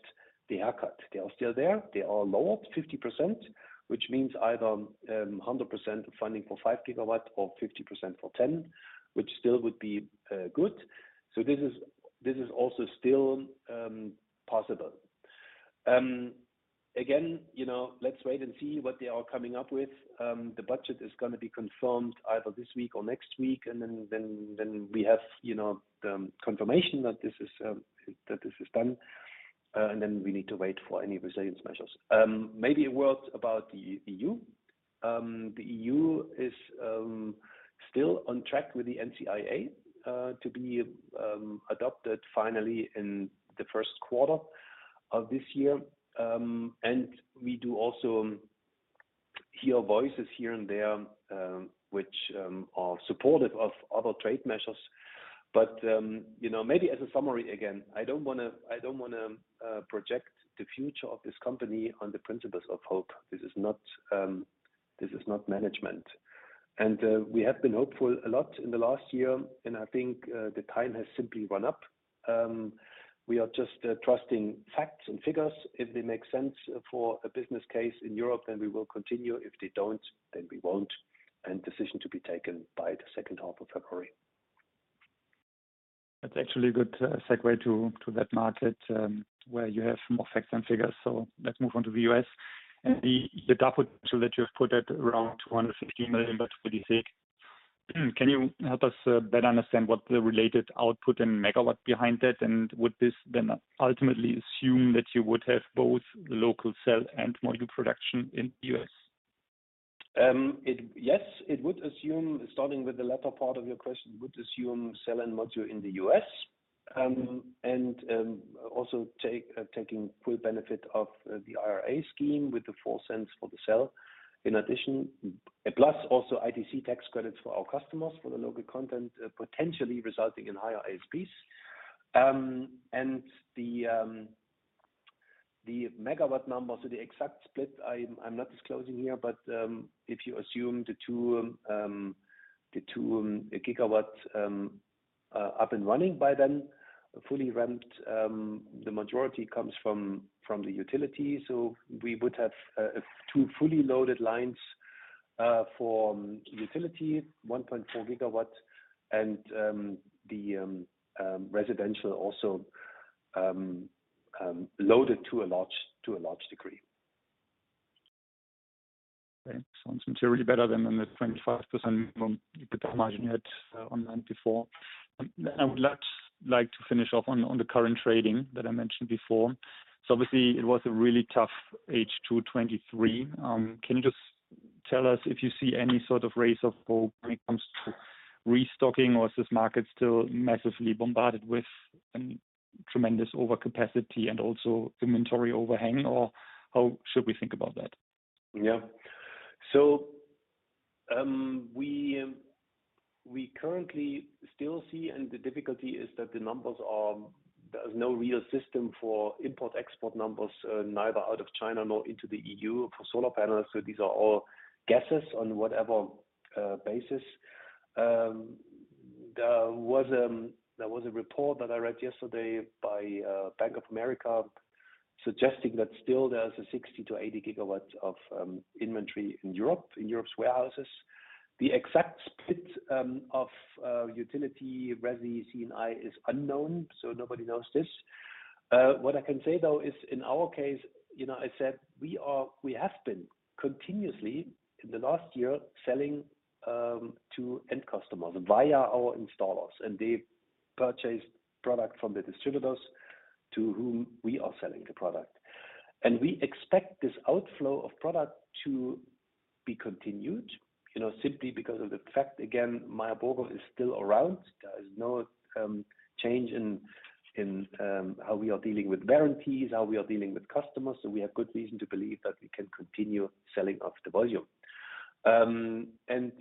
the haircut. They are still there. They are lower, 50%, which means either 100% funding for five gigawatts or 50% for 10, which still would be good. This is also still possible. Again, you know, let's wait and see what they are coming up with. The budget is gonna be confirmed either this week or next week, and then we have the confirmation that this is done, and then we need to wait for any resilience measures. Maybe a word about the EU. The EU is still on track with the NZIA to be adopted finally in the first quarter of this year. And we do also hear voices here and there which are supportive of other trade measures. But you know, maybe as a summary, again, I don't wanna, I don't wanna project the future of this company on the principles of hope. This is not, this is not management. We have been hopeful a lot in the last year, and I think the time has simply run up. We are just trusting facts and figures. If they make sense for a business case in Europe, then we will continue. If they don't, then we won't, and decision to be taken by the second half of February. That's actually a good segue to that market where you have more facts and figures. So let's move on to the U.S. And the potential that you have put at around $150 million, but pretty thick. Can you help us better understand what the related output and megawatt behind that? And would this then ultimately assume that you would have both local cell and module production in U.S.? Yes, it would assume, starting with the latter part of your question, would assume cell and module in the U.S. And also taking full benefit of the IRA scheme with the $0.04 for the cell. In addition, plus also ITC tax credits for our customers, for the local content, potentially resulting in higher ASPs. And the megawatt numbers or the exact split, I'm not disclosing here, but if you assume the two gigawatts up and running by then, fully ramped, the majority comes from the utility. So we would have two fully loaded lines for utility, 1.4 gigawatts, and the residential also loaded to a large degree. Okay. Sounds materially better than the 25% margin you had online before. I would like to finish off on the current trading that I mentioned before. So obviously, it was a really tough H2 2023. Can you just tell us if you see any sort of rays of hope when it comes to restocking, or is this market still massively bombarded with a tremendous overcapacity and also inventory overhang, or how should we think about that? Yeah. So, we currently still see, and the difficulty is that the numbers are—there's no real system for import/export numbers, neither out of China nor into the EU for solar panels, so these are all guesses on whatever basis. There was a report that I read yesterday by Bank of America, suggesting that still there's 60-80 gigawatts of inventory in Europe, in Europe's warehouses. The exact split of utility, resi, C&I is unknown, so nobody knows this. What I can say, though, is in our case, you know, I said we have been continuously, in the last year, selling to end customers via our installers, and they purchase product from the distributors to whom we are selling the product. We expect this outflow of product to be continued, you know, simply because of the fact, again, Meyer Burger is still around. There is no change in how we are dealing with warranties, how we are dealing with customers, so we have good reason to believe that we can continue selling off the volume. And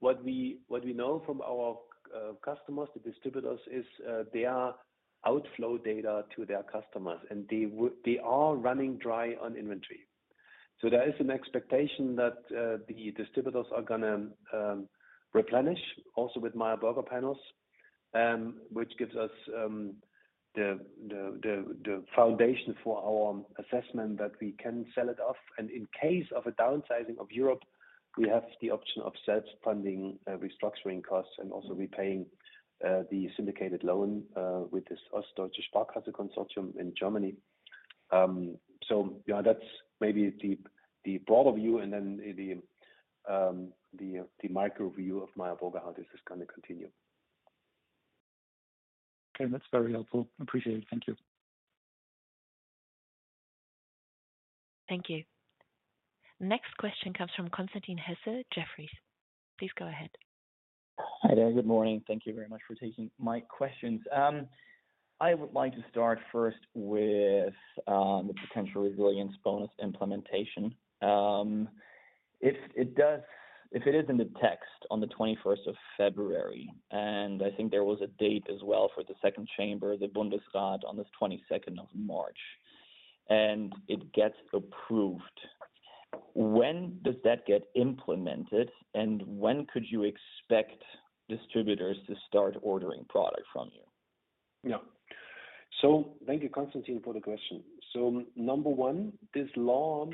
what we know from our customers, the distributors, is they are outflow data to their customers, and they are running dry on inventory. So there is an expectation that the distributors are gonna replenish also with Meyer Burger panels, which gives us the foundation for our assessment that we can sell it off. In case of a downsizing of Europe, we have the option of self-funding restructuring costs and also repaying the syndicated loan with this Ostdeutsche Sparkasse consortium in Germany. So yeah, that's maybe the broader view and then the micro view of Meyer Burger, how this is gonna continue. Okay, that's very helpful. Appreciate it. Thank you. Thank you. Next question comes from Constantin Hesse, Jefferies. Please go ahead. Hi there. Good morning. Thank you very much for taking my questions. I would like to start first with the potential resilience bonus implementation. If it is in the text on the twenty-first of February, and I think there was a date as well for the second chamber, the Bundesrat, on the March 22nd, and it gets approved, when does that get implemented, and when could you expect distributors to start ordering product from you? Yeah. So thank you, Constantin, for the question. So number one, this law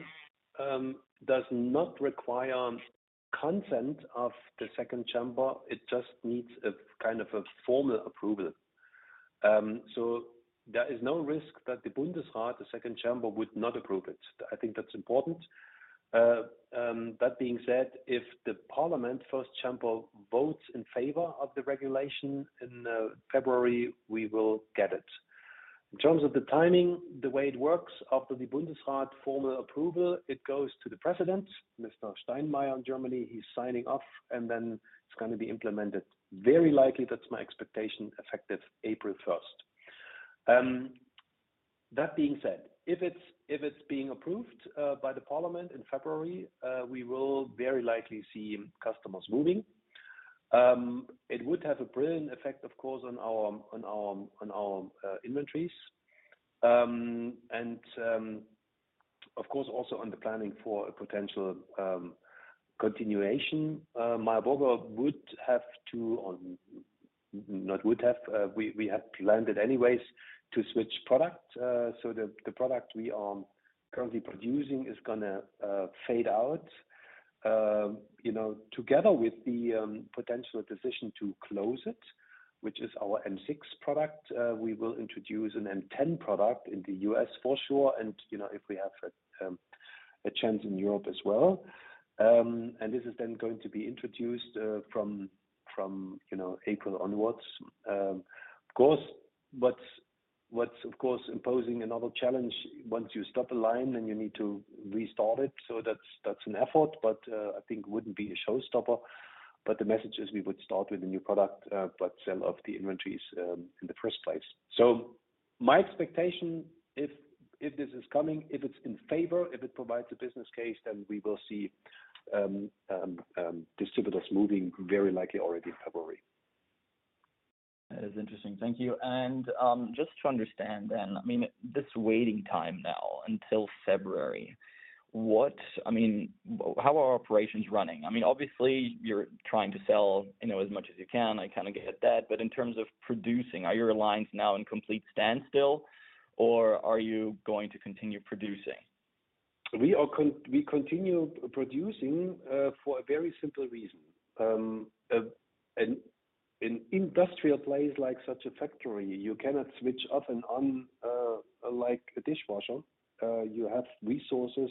does not require consent of the second chamber. It just needs a kind of a formal approval. So there is no risk that the Bundesrat, the second chamber, would not approve it. I think that's important. That being said, if the parliament, first chamber, votes in favor of the regulation in February, we will get it. In terms of the timing, the way it works, after the Bundesrat formal approval, it goes to the president, Mr. Steinmeier in Germany, he's signing off, and then it's gonna be implemented. Very likely, that's my expectation, effective April 1st. That being said, if it's being approved by the Parliament in February, we will very likely see customers moving. It would have a brilliant effect, of course, on our inventories. And, of course, also on the planning for a potential continuation. Meyer Burger would have to... Not would have, we have planned it anyways, to switch product. So the product we are currently producing is gonna fade out, you know, together with the potential decision to close it, which is our M6 product. We will introduce an M10 product in the U.S. for sure, and, you know, if we have a chance in Europe as well. And this is then going to be introduced from, you know, April onwards. Of course, what's imposing another challenge, once you stop a line, then you need to restart it. So that's an effort, but I think wouldn't be a showstopper. But the message is we would start with a new product, but sell off the inventories in the first place. So my expectation, if this is coming, if it's in favor, if it provides a business case, then we will see distributors moving, very likely already in February. That is interesting. Thank you. And, just to understand then, I mean, this waiting time now until February, I mean, how are operations running? I mean, obviously, you're trying to sell, you know, as much as you can. I kinda get that. But in terms of producing, are your lines now in complete standstill, or are you going to continue producing? We continue producing for a very simple reason. An industrial place like such a factory, you cannot switch off and on like a dishwasher. You have resources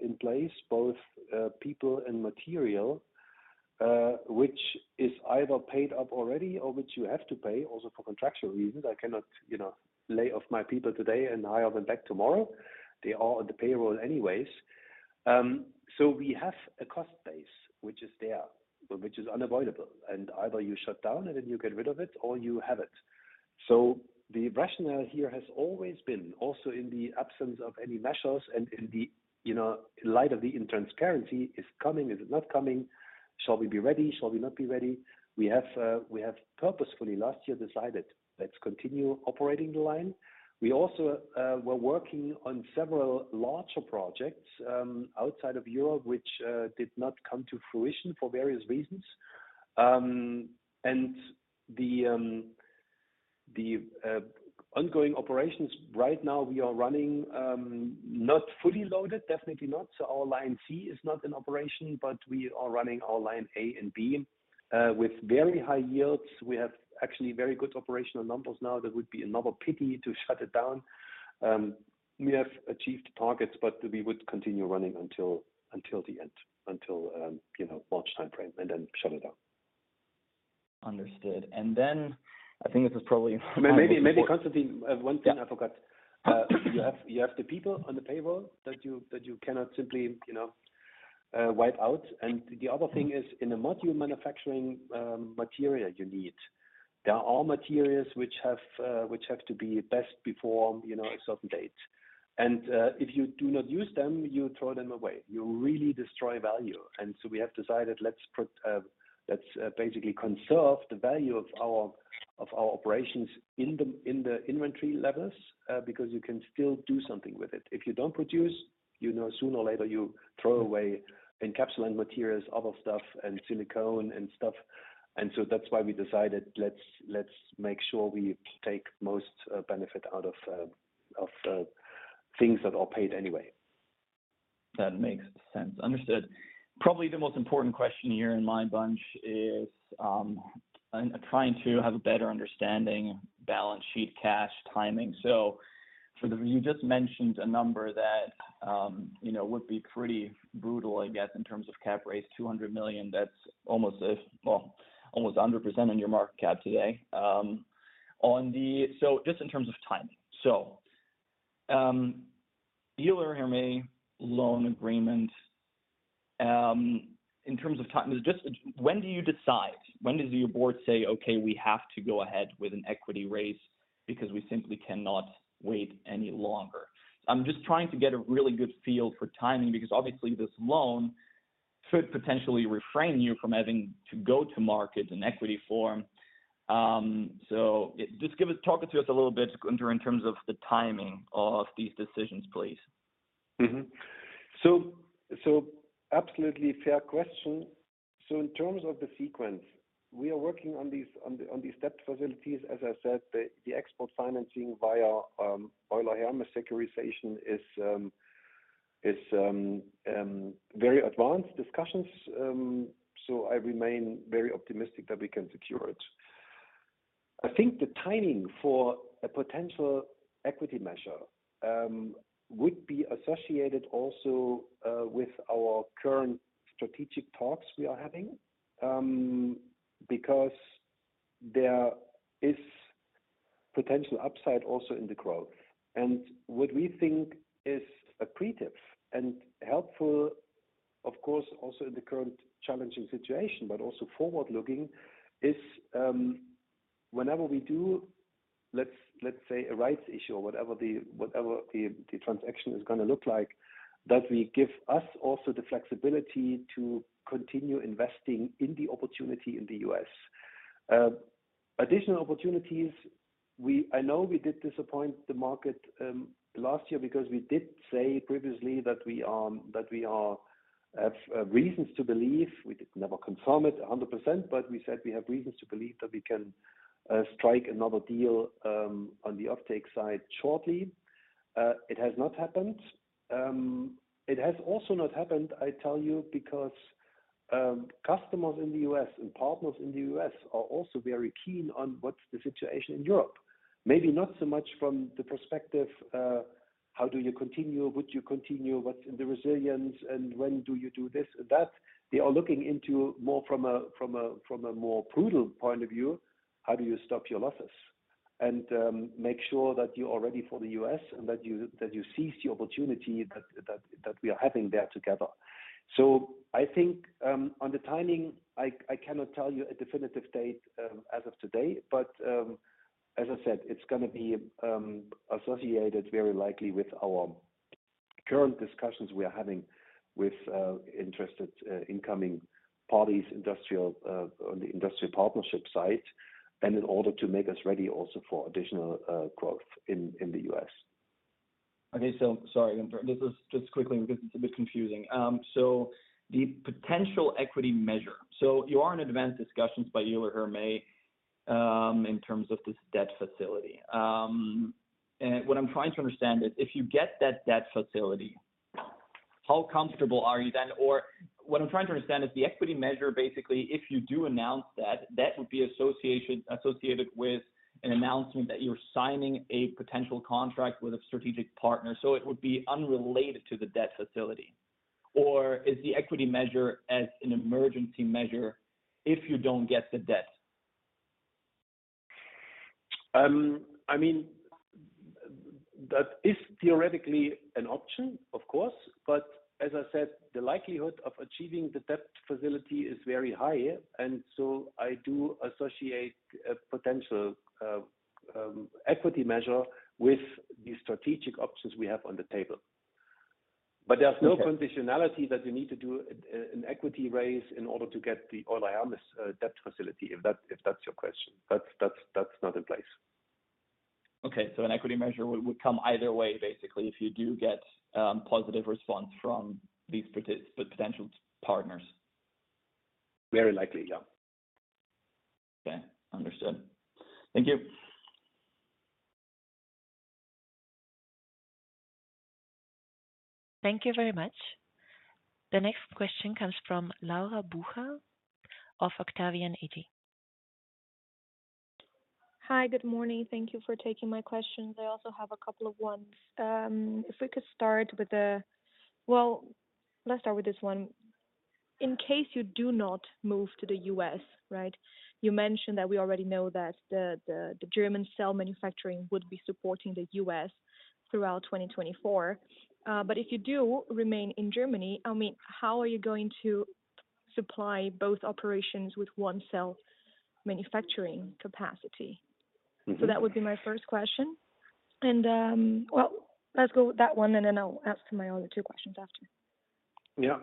in place, both people and material, which is either paid up already or which you have to pay also for contractual reasons. I cannot, you know, lay off my people today and hire them back tomorrow. They are on the payroll anyways. So we have a cost base, which is there, which is unavoidable, and either you shut down and then you get rid of it or you have it. So the rationale here has always been, also in the absence of any measures and in the, you know, in light of the transparency, is coming, is it not coming? Shall we be ready? Shall we not be ready? We have purposefully last year decided, let's continue operating the line. We also were working on several larger projects outside of Europe, which did not come to fruition for various reasons. And the ongoing operations, right now, we are running not fully loaded, definitely not. So our line C is not in operation, but we are running our line A and B with very high yields. We have actually very good operational numbers now. That would be another pity to shut it down. We have achieved targets, but we would continue running until the end, until you know, March timeframe, and then shut it down. Understood. And then I think this is probably- Maybe, Constantin, one thing I forgot. Yeah. You have the people on the payroll that you cannot simply, you know, wipe out. And the other thing is, in a module manufacturing, material you need, there are materials which have to be best before, you know, a certain date. And if you do not use them, you throw them away. You really destroy value. And so we have decided, let's basically conserve the value of our operations in the inventory levels, because you can still do something with it. If you don't produce—you know, sooner or later, you throw away encapsulating materials, other stuff, and silicone and stuff. And so that's why we decided, let's make sure we take most benefit out of things that are paid anyway. That makes sense. Understood. Probably the most important question here in my bunch is, I'm trying to have a better understanding, balance sheet, cash, timing. So for the-- you just mentioned a number that, you know, would be pretty brutal, I guess, in terms of cap raise, 200 million. That's almost a, well, almost a 100% on your market cap today. On the-- So just in terms of timing. So, Euler Hermes loan agreement, in terms of timing, just when do you decide? When does your board say, "Okay, we have to go ahead with an equity raise because we simply cannot wait any longer?" I'm just trying to get a really good feel for timing, because obviously this loan could potentially refrain you from having to go to market in equity form. So, just talk to us a little bit in terms of the timing of these decisions, please. Mm-hmm. So absolutely fair question. So in terms of the sequence, we are working on these debt facilities. As I said, the export financing via Euler Hermes securitization is very advanced discussions. So I remain very optimistic that we can secure it. I think the timing for a potential equity measure would be associated also with our current strategic talks we are having because there is potential upside also in the growth. And what we think is accretive and helpful, of course, also in the current challenging situation, but also forward-looking, is whenever we do, let's say, a rights issue or whatever the transaction is going to look like, that we give us also the flexibility to continue investing in the opportunity in the US. Additional opportunities, we—I know we did disappoint the market last year because we did say previously that we have reasons to believe. We did never confirm it 100%, but we said we have reasons to believe that we can strike another deal on the offtake side shortly. It has not happened. It has also not happened, I tell you, because customers in the U.S. and partners in the U.S. are also very keen on what's the situation in Europe. Maybe not so much from the perspective of how do you continue? Would you continue? What's the resilience, and when do you do this and that? They are looking into more from a more prudent point of view, how do you stop your losses? Make sure that you are ready for the U.S. and that you seize the opportunity that we are having there together. So I think, on the timing, I cannot tell you a definitive date, as of today, but, as I said, it's gonna be associated very likely with our current discussions we are having with interested incoming parties, industrial, on the industrial partnership side, and in order to make us ready also for additional growth in the U.S. Okay, so sorry, Gunter. This is just quickly because it's a bit confusing. So the potential equity measure. So you are in advanced discussions by Euler Hermes, in terms of this debt facility. And what I'm trying to understand is if you get that debt facility, how comfortable are you then? Or what I'm trying to understand is the equity measure, basically, if you do announce that, that would be associated with an announcement that you're signing a potential contract with a strategic partner, so it would be unrelated to the debt facility. Or is the equity measure as an emergency measure if you don't get the debt? I mean, that is theoretically an option, of course, but as I said, the likelihood of achieving the debt facility is very high, and so I do associate a potential equity measure with the strategic options we have on the table. Okay. There's no conditionality that we need to do an equity raise in order to get the Euler Hermes debt facility, if that's your question. That's not in place. Okay. So an equity measure would come either way, basically, if you do get positive response from these potential partners. Very likely, yeah. Okay, understood. Thank you. Thank you very much. The next question comes from Laura Bucher of Octavian AG. Hi, good morning. Thank you for taking my questions. I also have a couple of ones. If we could start with the... Well, let's start with this one. In case you do not move to the U.S., right? You mentioned that we already know that the German cell manufacturing would be supporting the U.S. throughout 2024. But if you do remain in Germany, I mean, how are you going to supply both operations with one cell manufacturing capacity? Mm-hmm. That would be my first question. Well, let's go with that one, and then I'll ask my other two questions after.... Yeah.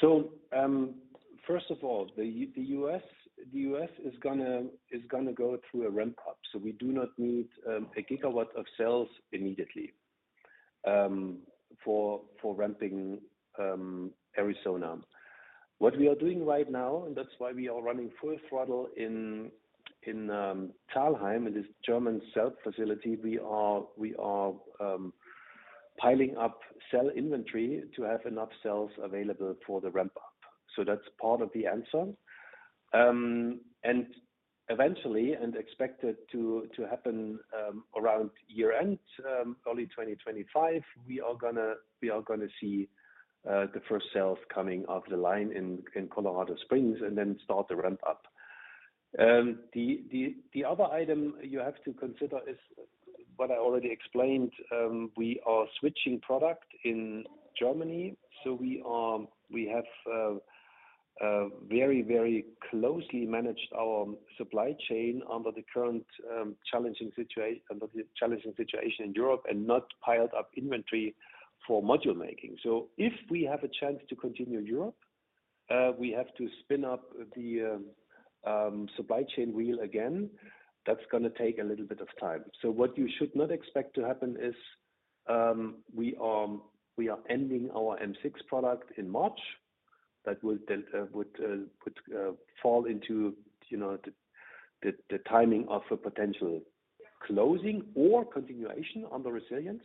So, first of all, the U.S. is gonna go through a ramp up. So we do not need a gigawatt of cells immediately for ramping Arizona. What we are doing right now, and that's why we are running full throttle in Thalheim, in this German cell facility, we are piling up cell inventory to have enough cells available for the ramp up. So that's part of the answer. And eventually, and expected to happen around year-end, early 2025, we are gonna see the first cells coming off the line in Colorado Springs and then start the ramp up. The other item you have to consider is what I already explained, we are switching product in Germany, so we have a very, very closely managed our supply chain under the current challenging situation in Europe and not piled up inventory for module making. So if we have a chance to continue in Europe, we have to spin up the supply chain wheel again. That's gonna take a little bit of time. So what you should not expect to happen is, we are ending our M6 product in March. That will then fall into, you know, the timing of a potential closing or continuation on the resilience,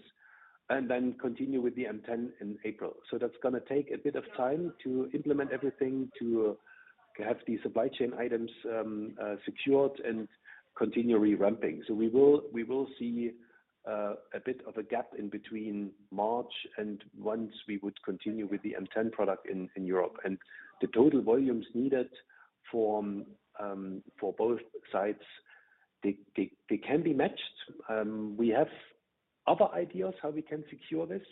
and then continue with the M10 in April. So that's gonna take a bit of time to implement everything, to have the supply chain items secured and continually ramping. So we will see a bit of a gap in between March and once we would continue with the M10 product in Europe. And the total volumes needed from for both sides, they can be matched. We have other ideas how we can secure this.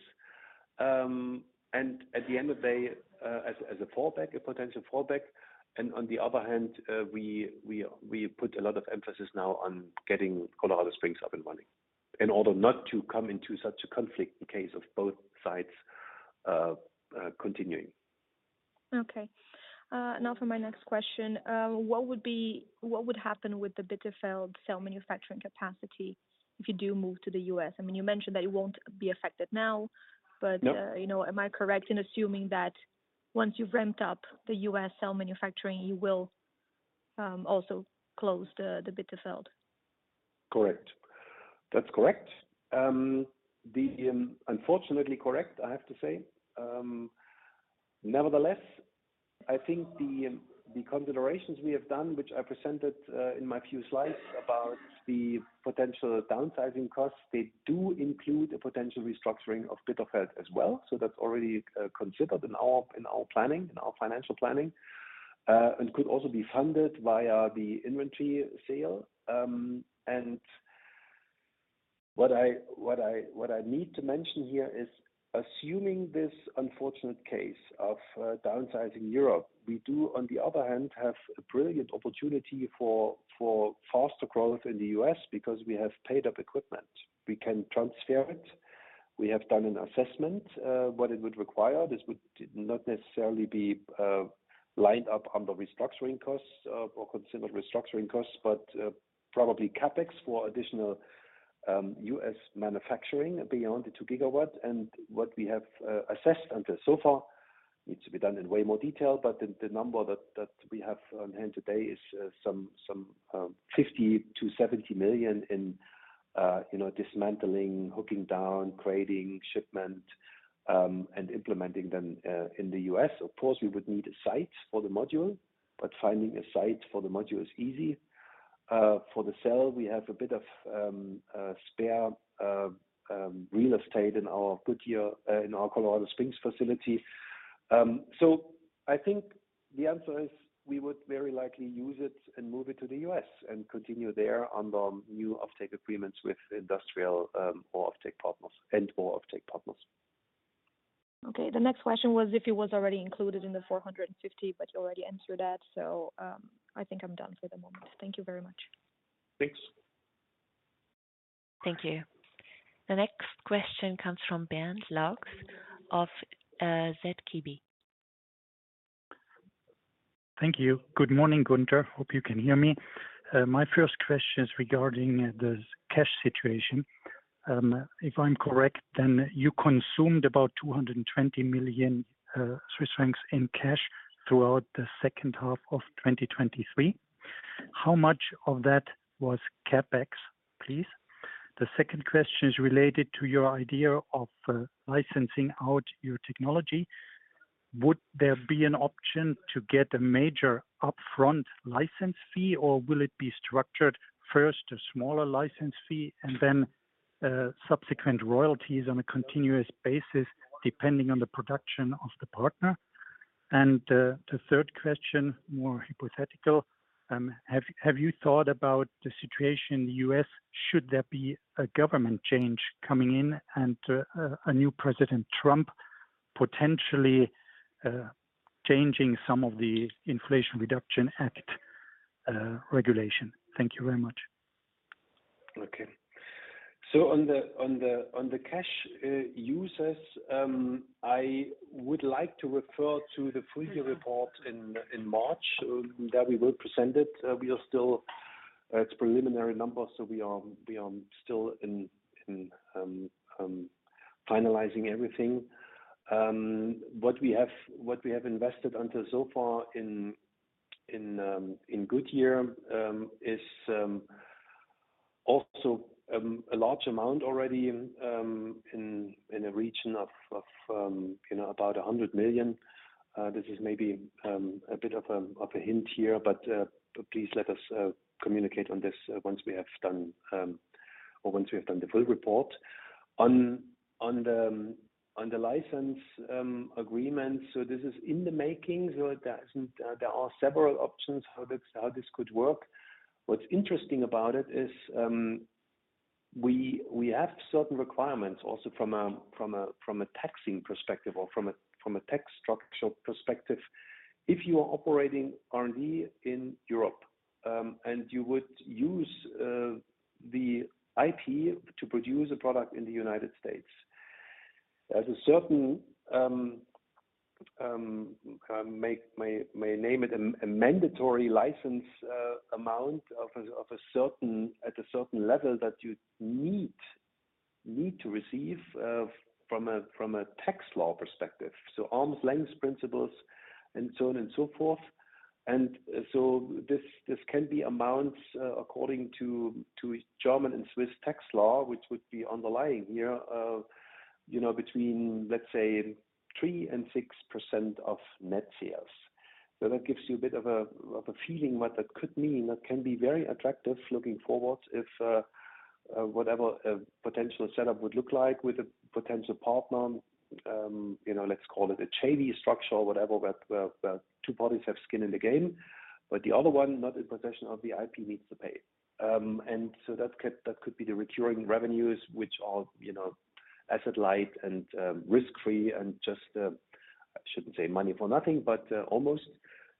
And at the end of the day, as a fallback, a potential fallback, and on the other hand, we put a lot of emphasis now on getting Colorado Springs up and running, in order not to come into such a conflict in case of both sides continuing. Okay. Now for my next question. What would happen with the Bitterfeld cell manufacturing capacity if you do move to the US? I mean, you mentioned that it won't be affected now, but- Yeah. You know, am I correct in assuming that once you've ramped up the U.S. cell manufacturing, you will also close the Bitterfeld? Correct. That's correct. The unfortunately correct, I have to say. Nevertheless, I think the considerations we have done, which I presented in my few slides about the potential downsizing costs, they do include a potential restructuring of Bitterfeld as well. So that's already considered in our planning, in our financial planning, and could also be funded via the inventory sale. And what I need to mention here is, assuming this unfortunate case of downsizing Europe, we do, on the other hand, have a brilliant opportunity for faster growth in the U.S. because we have paid up equipment. We can transfer it. We have done an assessment, what it would require. This would not necessarily be lined up on the restructuring costs, or considered restructuring costs, but probably CapEx for additional U.S. manufacturing beyond the two gigawatts. And what we have assessed until so far needs to be done in way more detail, but the number that we have on hand today is some $50-$70 million in, you know, dismantling, hooking down, creating shipment, and implementing them in the U.S. Of course, we would need a site for the module, but finding a site for the module is easy. For the cell, we have a bit of spare real estate in our Goodyear, in our Colorado Springs facility. I think the answer is we would very likely use it and move it to the U.S., and continue there on the new offtake agreements with industrial, or offtake partners, and more offtake partners. Okay, the next question was if it was already included in the 450, but you already answered that. So, I think I'm done for the moment. Thank you very much. Thanks. Thank you. The next question comes from Bernd Laux of ZKB. Thank you. Good morning, Gunter. Hope you can hear me. My first question is regarding the cash situation. If I'm correct, then you consumed about 220 million Swiss francs in cash throughout the second half of 2023. How much of that was CapEx, please? The second question is related to your idea of licensing out your technology. Would there be an option to get a major upfront license fee, or will it be structured first, a smaller license fee, and then subsequent royalties on a continuous basis, depending on the production of the partner? The third question, more hypothetical, have you thought about the situation in the U.S., should there be a government change coming in and a new President Trump potentially changing some of the Inflation Reduction Act regulation? Thank you very much.... Okay. So on the cash uses, I would like to refer to the full year report in March that we will present it. We are still, it's preliminary numbers, so we are still finalizing everything. What we have invested until so far in Goodyear is also a large amount already, in a region of, you know, about $100 million. This is maybe a bit of a hint here, but please let us communicate on this once we have done the full report. On the license agreement, so this is in the making. So there are several options how this could work. What's interesting about it is, we have certain requirements also from a taxing perspective or from a tax structural perspective. If you are operating R&D in Europe, and you would use the IP to produce a product in the U.S., there's a certain, may name it a mandatory license amount of a certain at a certain level that you need to receive from a tax law perspective, so arm's length principles and so on and so forth. And so this can be amounts according to German and Swiss tax law, which would be underlying here, you know, between, let's say, 3%-6% of net sales. So that gives you a bit of a feeling what that could mean. That can be very attractive looking forward if whatever potential setup would look like with a potential partner, you know, let's call it a JV structure or whatever, where two parties have skin in the game, but the other one, not in possession of the IP, needs to pay. And so that could, that could be the recurring revenues which are, you know, asset light and, risk-free, and just, I shouldn't say money for nothing, but, almost.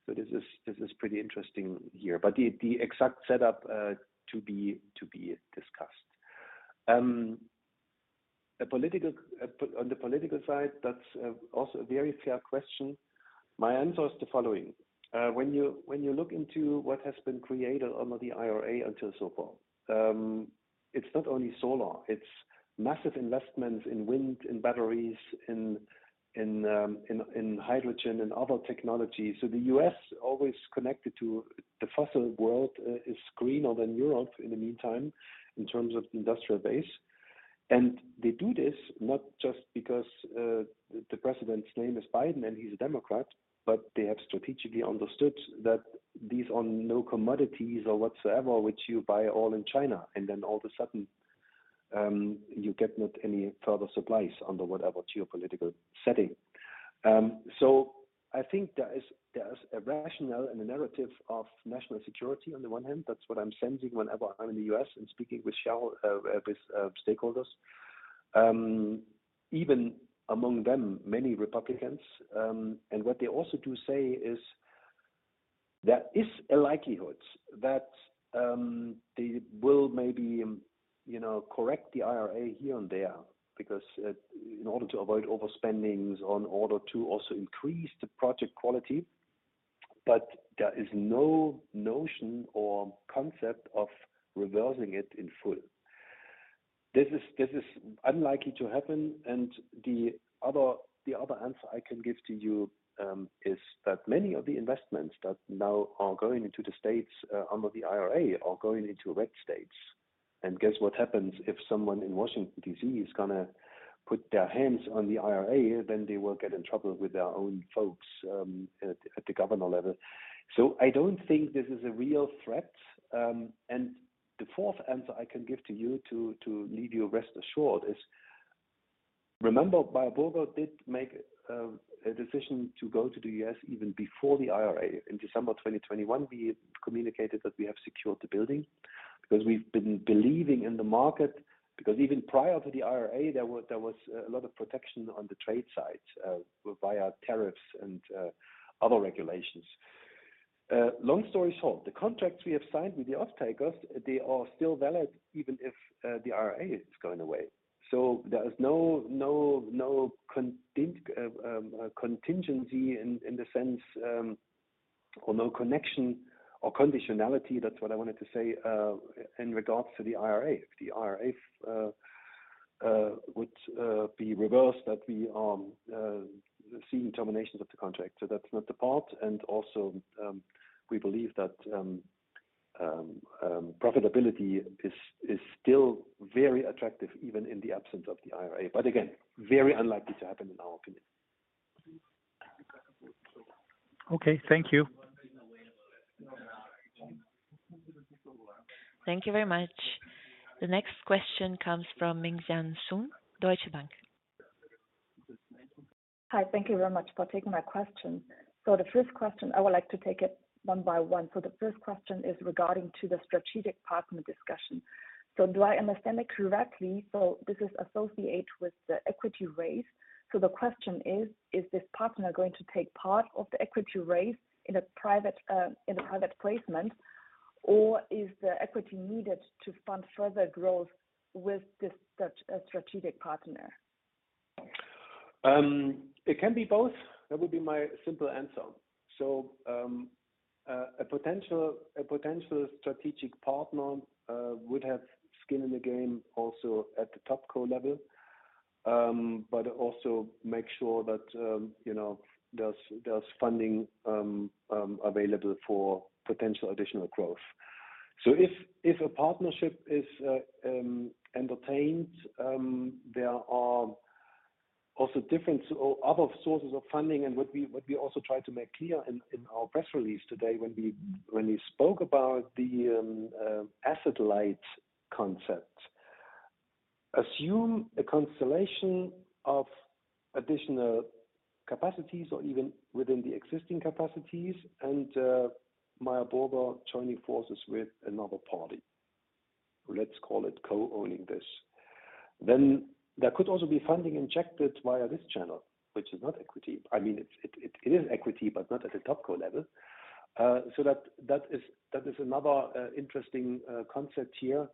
So this is, this is pretty interesting here, but the, the exact setup, to be, to be discussed. A political, on the political side, that's, also a very fair question. My answer is the following: When you, when you look into what has been created under the IRA until so far, it's not only solar, it's massive investments in wind, in batteries, in hydrogen and other technologies. So the U.S. always connected to the fossil world is greener than Europe in the meantime, in terms of industrial base. And they do this not just because the president's name is Biden, and he's a Democrat, but they have strategically understood that these are no commodities or whatsoever, which you buy all in China, and then all of a sudden, you get not any further supplies under whatever geopolitical setting. So I think there is, there is a rationale and a narrative of national security on the one hand. That's what I'm sensing whenever I'm in the U.S. and speaking with stakeholders, even among them, many Republicans. And what they also do say is there is a likelihood that they will maybe, you know, correct the IRA here and there, because in order to avoid overspendings, in order to also increase the project quality, but there is no notion or concept of reversing it in full. This is unlikely to happen, and the other answer I can give to you is that many of the investments that now are going into the states under the IRA are going into red states. And guess what happens if someone in Washington, D.C., is gonna put their hands on the IRA, then they will get in trouble with their own folks at the governor level. So I don't think this is a real threat. And the fourth answer I can give to you to leave you rest assured is remember, BioNTech did make a decision to go to the U.S. even before the IRA. In December 2021, we communicated that we have secured the building because we've been believing in the market, because even prior to the IRA, there was a lot of protection on the trade side via tariffs and other regulations. Long story short, the contracts we have signed with the off-takers, they are still valid even if the IRA is going away. So there is no contingency in the sense or no connection or conditionality, that's what I wanted to say in regards to the IRA. If the IRA would be reversed, that we are seeing terminations of the contract. So that's not the part, and also, we believe that profitability is still very attractive even in the absence of the IRA, but again, very unlikely to happen in our opinion. Okay, thank you. Thank you very much. The next question comes from Mengxian Sun, Deutsche Bank. Hi, thank you very much for taking my question. So the first question, I would like to take it one by one. So the first question is regarding to the strategic partner discussion. So do I understand that correctly? So this is associated with the equity raise. So the question is, is this partner going to take part of the equity raise in a private placement, or is the equity needed to fund further growth with this strategic partner?... It can be both. That would be my simple answer. So, a potential, a potential strategic partner, would have skin in the game also at the top co level. But also make sure that, you know, there's, there's funding, available for potential additional growth. So if, if a partnership is, entertained, there are also different or other sources of funding. And what we, what we also tried to make clear in, in our press release today when we, when we spoke about the, asset light concept. Assume a constellation of additional capacities or even within the existing capacities, and, Meyer Burger joining forces with another party, let's call it co-owning this. Then there could also be funding injected via this channel, which is not equity. I mean, it's, it, it is equity, but not at the top co level. So that, that is, that is another interesting concept here.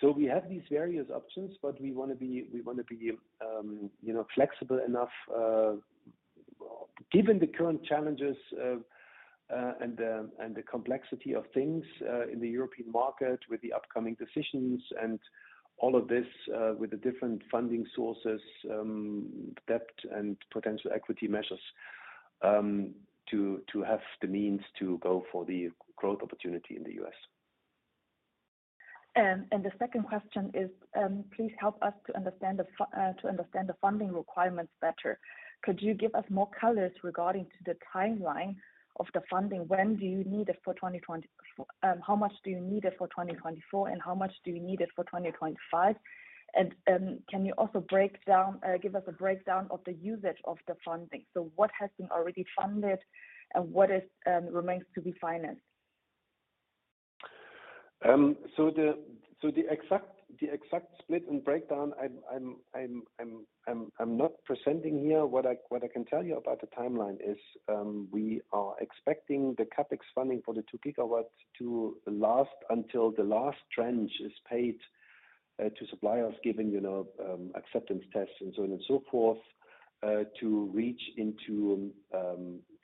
So we have these various options, but we want to be, we want to be, you know, flexible enough, given the current challenges, and the, and the complexity of things, in the European market with the upcoming decisions and all of this, with the different funding sources, debt and potential equity measures, to, to have the means to go for the growth opportunity in the US. And the second question is, please help us to understand the funding requirements better. Could you give us more colors regarding to the timeline of the funding? When do you need it for 2020, how much do you need it for 2024, and how much do you need it for 2025? And, can you also break down, give us a breakdown of the usage of the funding. So what has been already funded and what remains to be financed? So the exact split and breakdown, I'm not presenting here. What I can tell you about the timeline is, we are expecting the CapEx funding for the two gigawatts to last until the last tranche is paid to suppliers, given, you know, acceptance tests and so on and so forth, to reach into,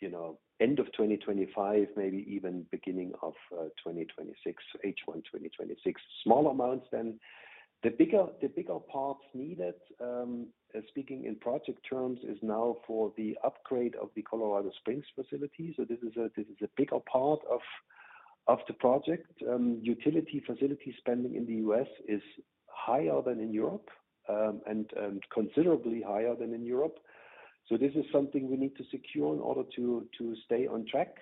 you know, end of 2025, maybe even beginning of 2026, H1 2026. Small amounts then. The bigger parts needed, speaking in project terms, is now for the upgrade of the Colorado Springs facility. So this is a bigger part of the project. Utility facility spending in the U.S. is higher than in Europe, and considerably higher than in Europe. This is something we need to secure in order to stay on track.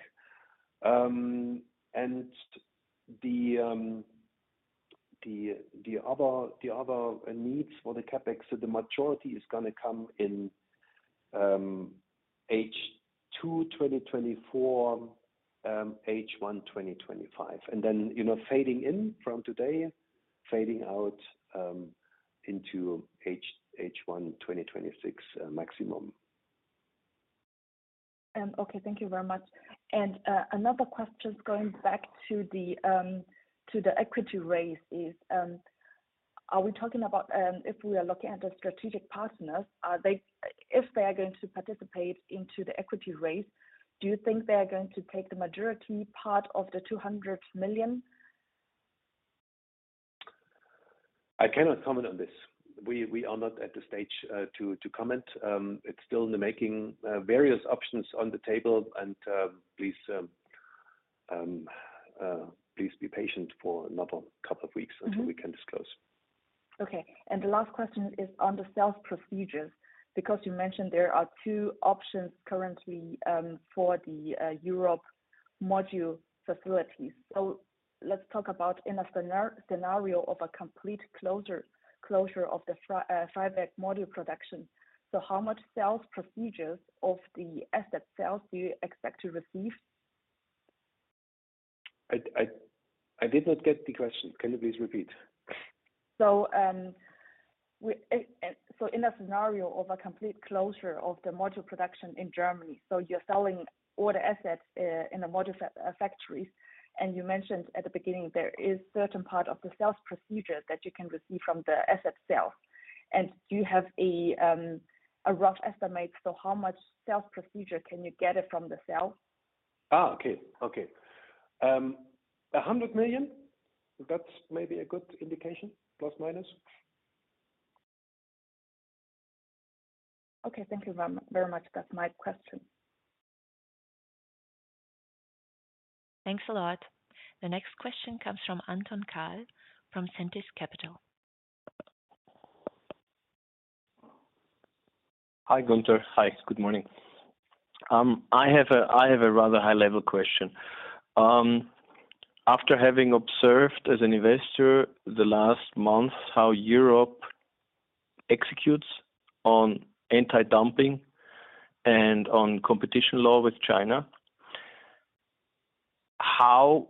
The other needs for the CapEx, so the majority is going to come in H2 2024, H1 2025, and then, you know, fading in from today, fading out into H1 2026, maximum. Okay, thank you very much. And, another question is going back to the, to the equity raise, is, are we talking about, if we are looking at the strategic partners, are they-- if they are going to participate into the equity raise, do you think they are going to take the majority part of the 200 million? I cannot comment on this. We are not at the stage to comment. It's still in the making, various options on the table and, please be patient for another couple of weeks- Mm-hmm. until we can disclose. Okay, and the last question is on the sale proceeds, because you mentioned there are two options currently for the European module facilities. So let's talk about a scenario of a complete closure of the Freiberg module production. So how much sale proceeds from the asset sales do you expect to receive? I did not get the question. Can you please repeat? So in a scenario of a complete closure of the module production in Germany, you're selling all the assets in the module factories, and you mentioned at the beginning, there is a certain part of the sales proceeds that you can receive from the asset sale. Do you have a rough estimate? So how much sales proceeds can you get from the sale? Okay. 100 million, that's maybe a good indication, ±. Okay, thank you very much. That's my question. Thanks a lot. The next question comes from Anton Karl, from Sentis Capital. Hi, Gunter. Hi, good morning. I have a rather high-level question. After having observed as an investor the last month, how Europe executes on anti-dumping and on competition law with China, how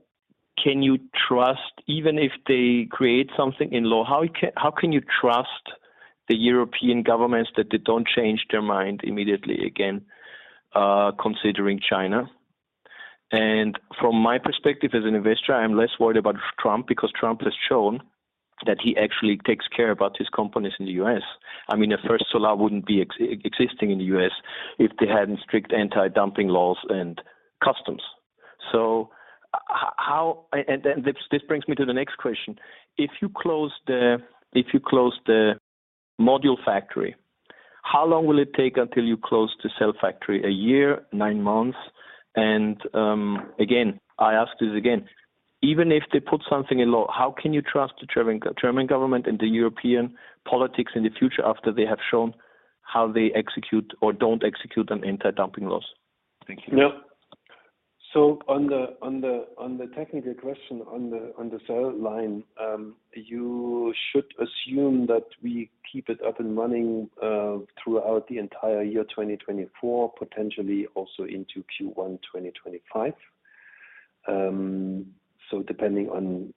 can you trust, even if they create something in law, how can you trust the European governments that they don't change their mind immediately again, considering China? And from my perspective as an investor, I'm less worried about Trump, because Trump has shown that he actually takes care about his companies in the U.S. I mean, at First Solar wouldn't be existing in the U.S. if they hadn't strict anti-dumping laws and customs. So, and this brings me to the next question. If you close the module factory, how long will it take until you close the cell factory? A year, nine months? And, again, I ask this again, even if they put something in law, how can you trust the German, German government and the European politics in the future after they have shown how they execute or don't execute on anti-dumping laws? Thank you. Yeah. So on the technical question, on the cell line, you should assume that we keep it up and running throughout the entire year, 2024, potentially also into Q1 2025. So depending on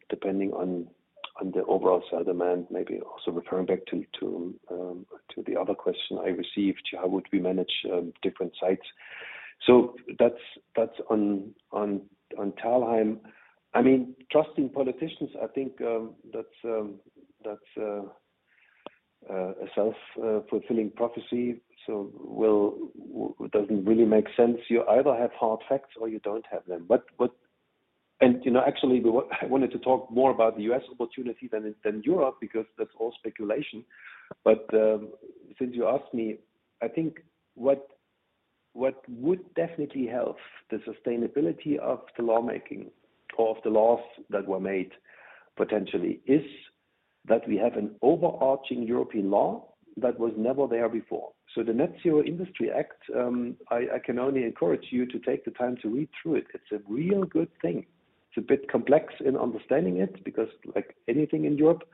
the overall cell demand, maybe also referring back to the other question I received, how would we manage different sites? So that's on Thalheim. I mean, trusting politicians, I think that's a self-fulfilling prophecy, so well, doesn't really make sense. You either have hard facts or you don't have them. But... And, you know, actually, I wanted to talk more about the U.S. opportunity than Europe, because that's all speculation. But since you asked me, I think what would definitely help the sustainability of the lawmaking or of the laws that were made, potentially, is that we have an overarching European law that was never there before. So the Net Zero Industry Act, I can only encourage you to take the time to read through it. It's a real good thing. It's a bit complex in understanding it, because like anything in Europe,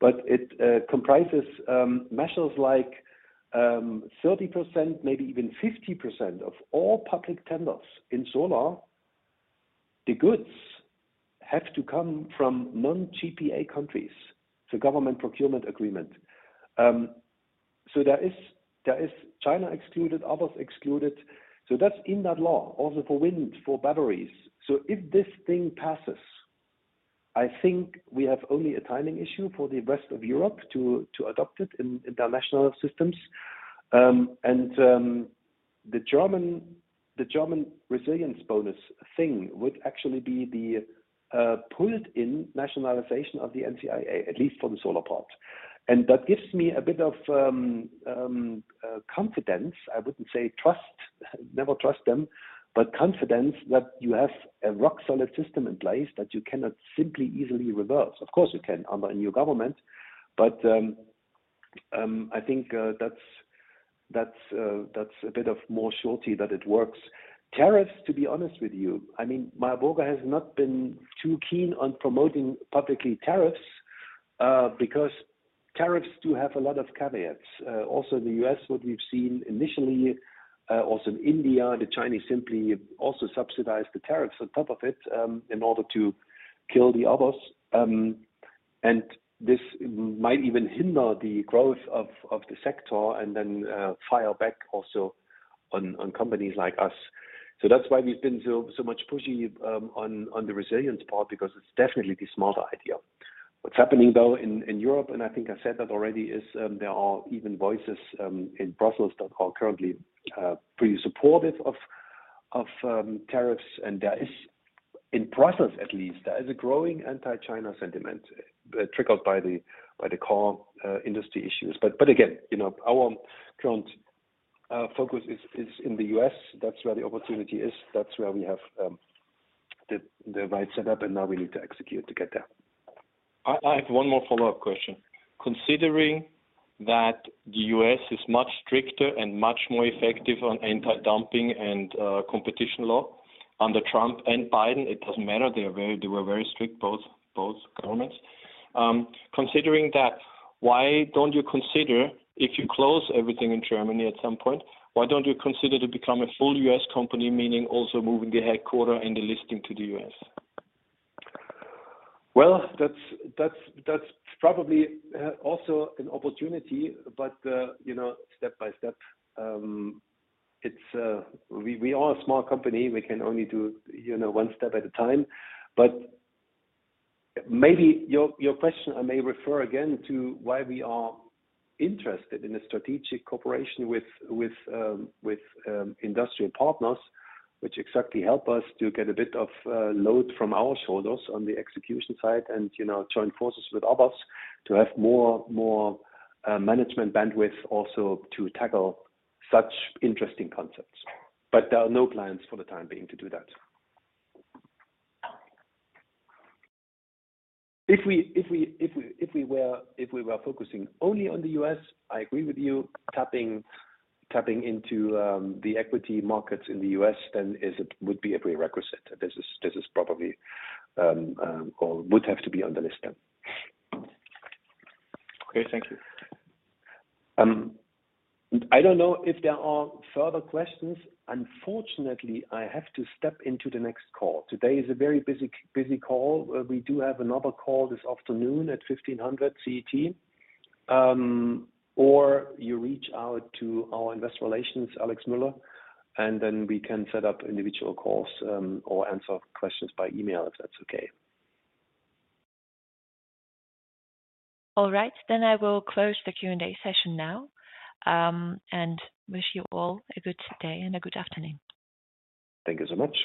but it comprises measures like 30%, maybe even 50% of all public tenders in solar. The goods have to come from non-GPA countries, the Government Procurement Agreement. So there is China excluded, others excluded. So that's in that law, also for wind, for batteries. So if this thing passes, I think we have only a timing issue for the rest of Europe to adopt it in international systems. And the German resilience bonus thing would actually be the pulled-in nationalization of the NZIA, at least for the solar part. And that gives me a bit of confidence. I wouldn't say trust, never trust them, but confidence that you have a rock-solid system in place that you cannot simply easily reverse. Of course, you can under a new government, but I think that's a bit more surety that it works. Tariffs, to be honest with you, I mean, Meyer Burger has not been too keen on promoting publicly tariffs because tariffs do have a lot of caveats. Also in the U.S., what we've seen initially, also in India, the Chinese simply also subsidized the tariffs on top of it, in order to kill the others. And this might even hinder the growth of the sector and then fire back also on companies like us. So that's why we've been so much pushing on the resilience part, because it's definitely the smarter idea. What's happening, though, in Europe, and I think I said that already, is, there are even voices in Brussels that are currently pretty supportive of tariffs. And there is, in Brussels, at least, there is a growing anti-China sentiment, triggered by the car industry issues. But again, you know, our current focus is in the U.S. That's where the opportunity is, that's where we have the right setup, and now we need to execute to get there. I have one more follow-up question. Considering that the U.S. is much stricter and much more effective on anti-dumping and competition law under Trump and Biden, it doesn't matter, they are very—they were very strict, both, both governments. Considering that, why don't you consider, if you close everything in Germany at some point, why don't you consider to become a full U.S. company, meaning also moving the headquarters and the listing to the U.S.? Well, that's probably also an opportunity, but, you know, step by step. It's, we are a small company. We can only do, you know, one step at a time. But maybe your question, I may refer again to why we are interested in a strategic cooperation with industrial partners, which exactly help us to get a bit of load from our shoulders on the execution side, and, you know, join forces with others to have more management bandwidth also to tackle such interesting concepts. But there are no clients for the time being to do that. If we were focusing only on the US, I agree with you, tapping into the equity markets in the US, then it would be a prerequisite. This is probably or would have to be on the list then. Okay, thank you. I don't know if there are further questions. Unfortunately, I have to step into the next call. Today is a very busy, busy call. We do have another call this afternoon at 3:00 P.M. CET. You reach out to our investor relations, Alex Müller, and then we can set up individual calls, or answer questions by email, if that's okay. All right, then I will close the Q&A session now, and wish you all a good day and a good afternoon. Thank you so much.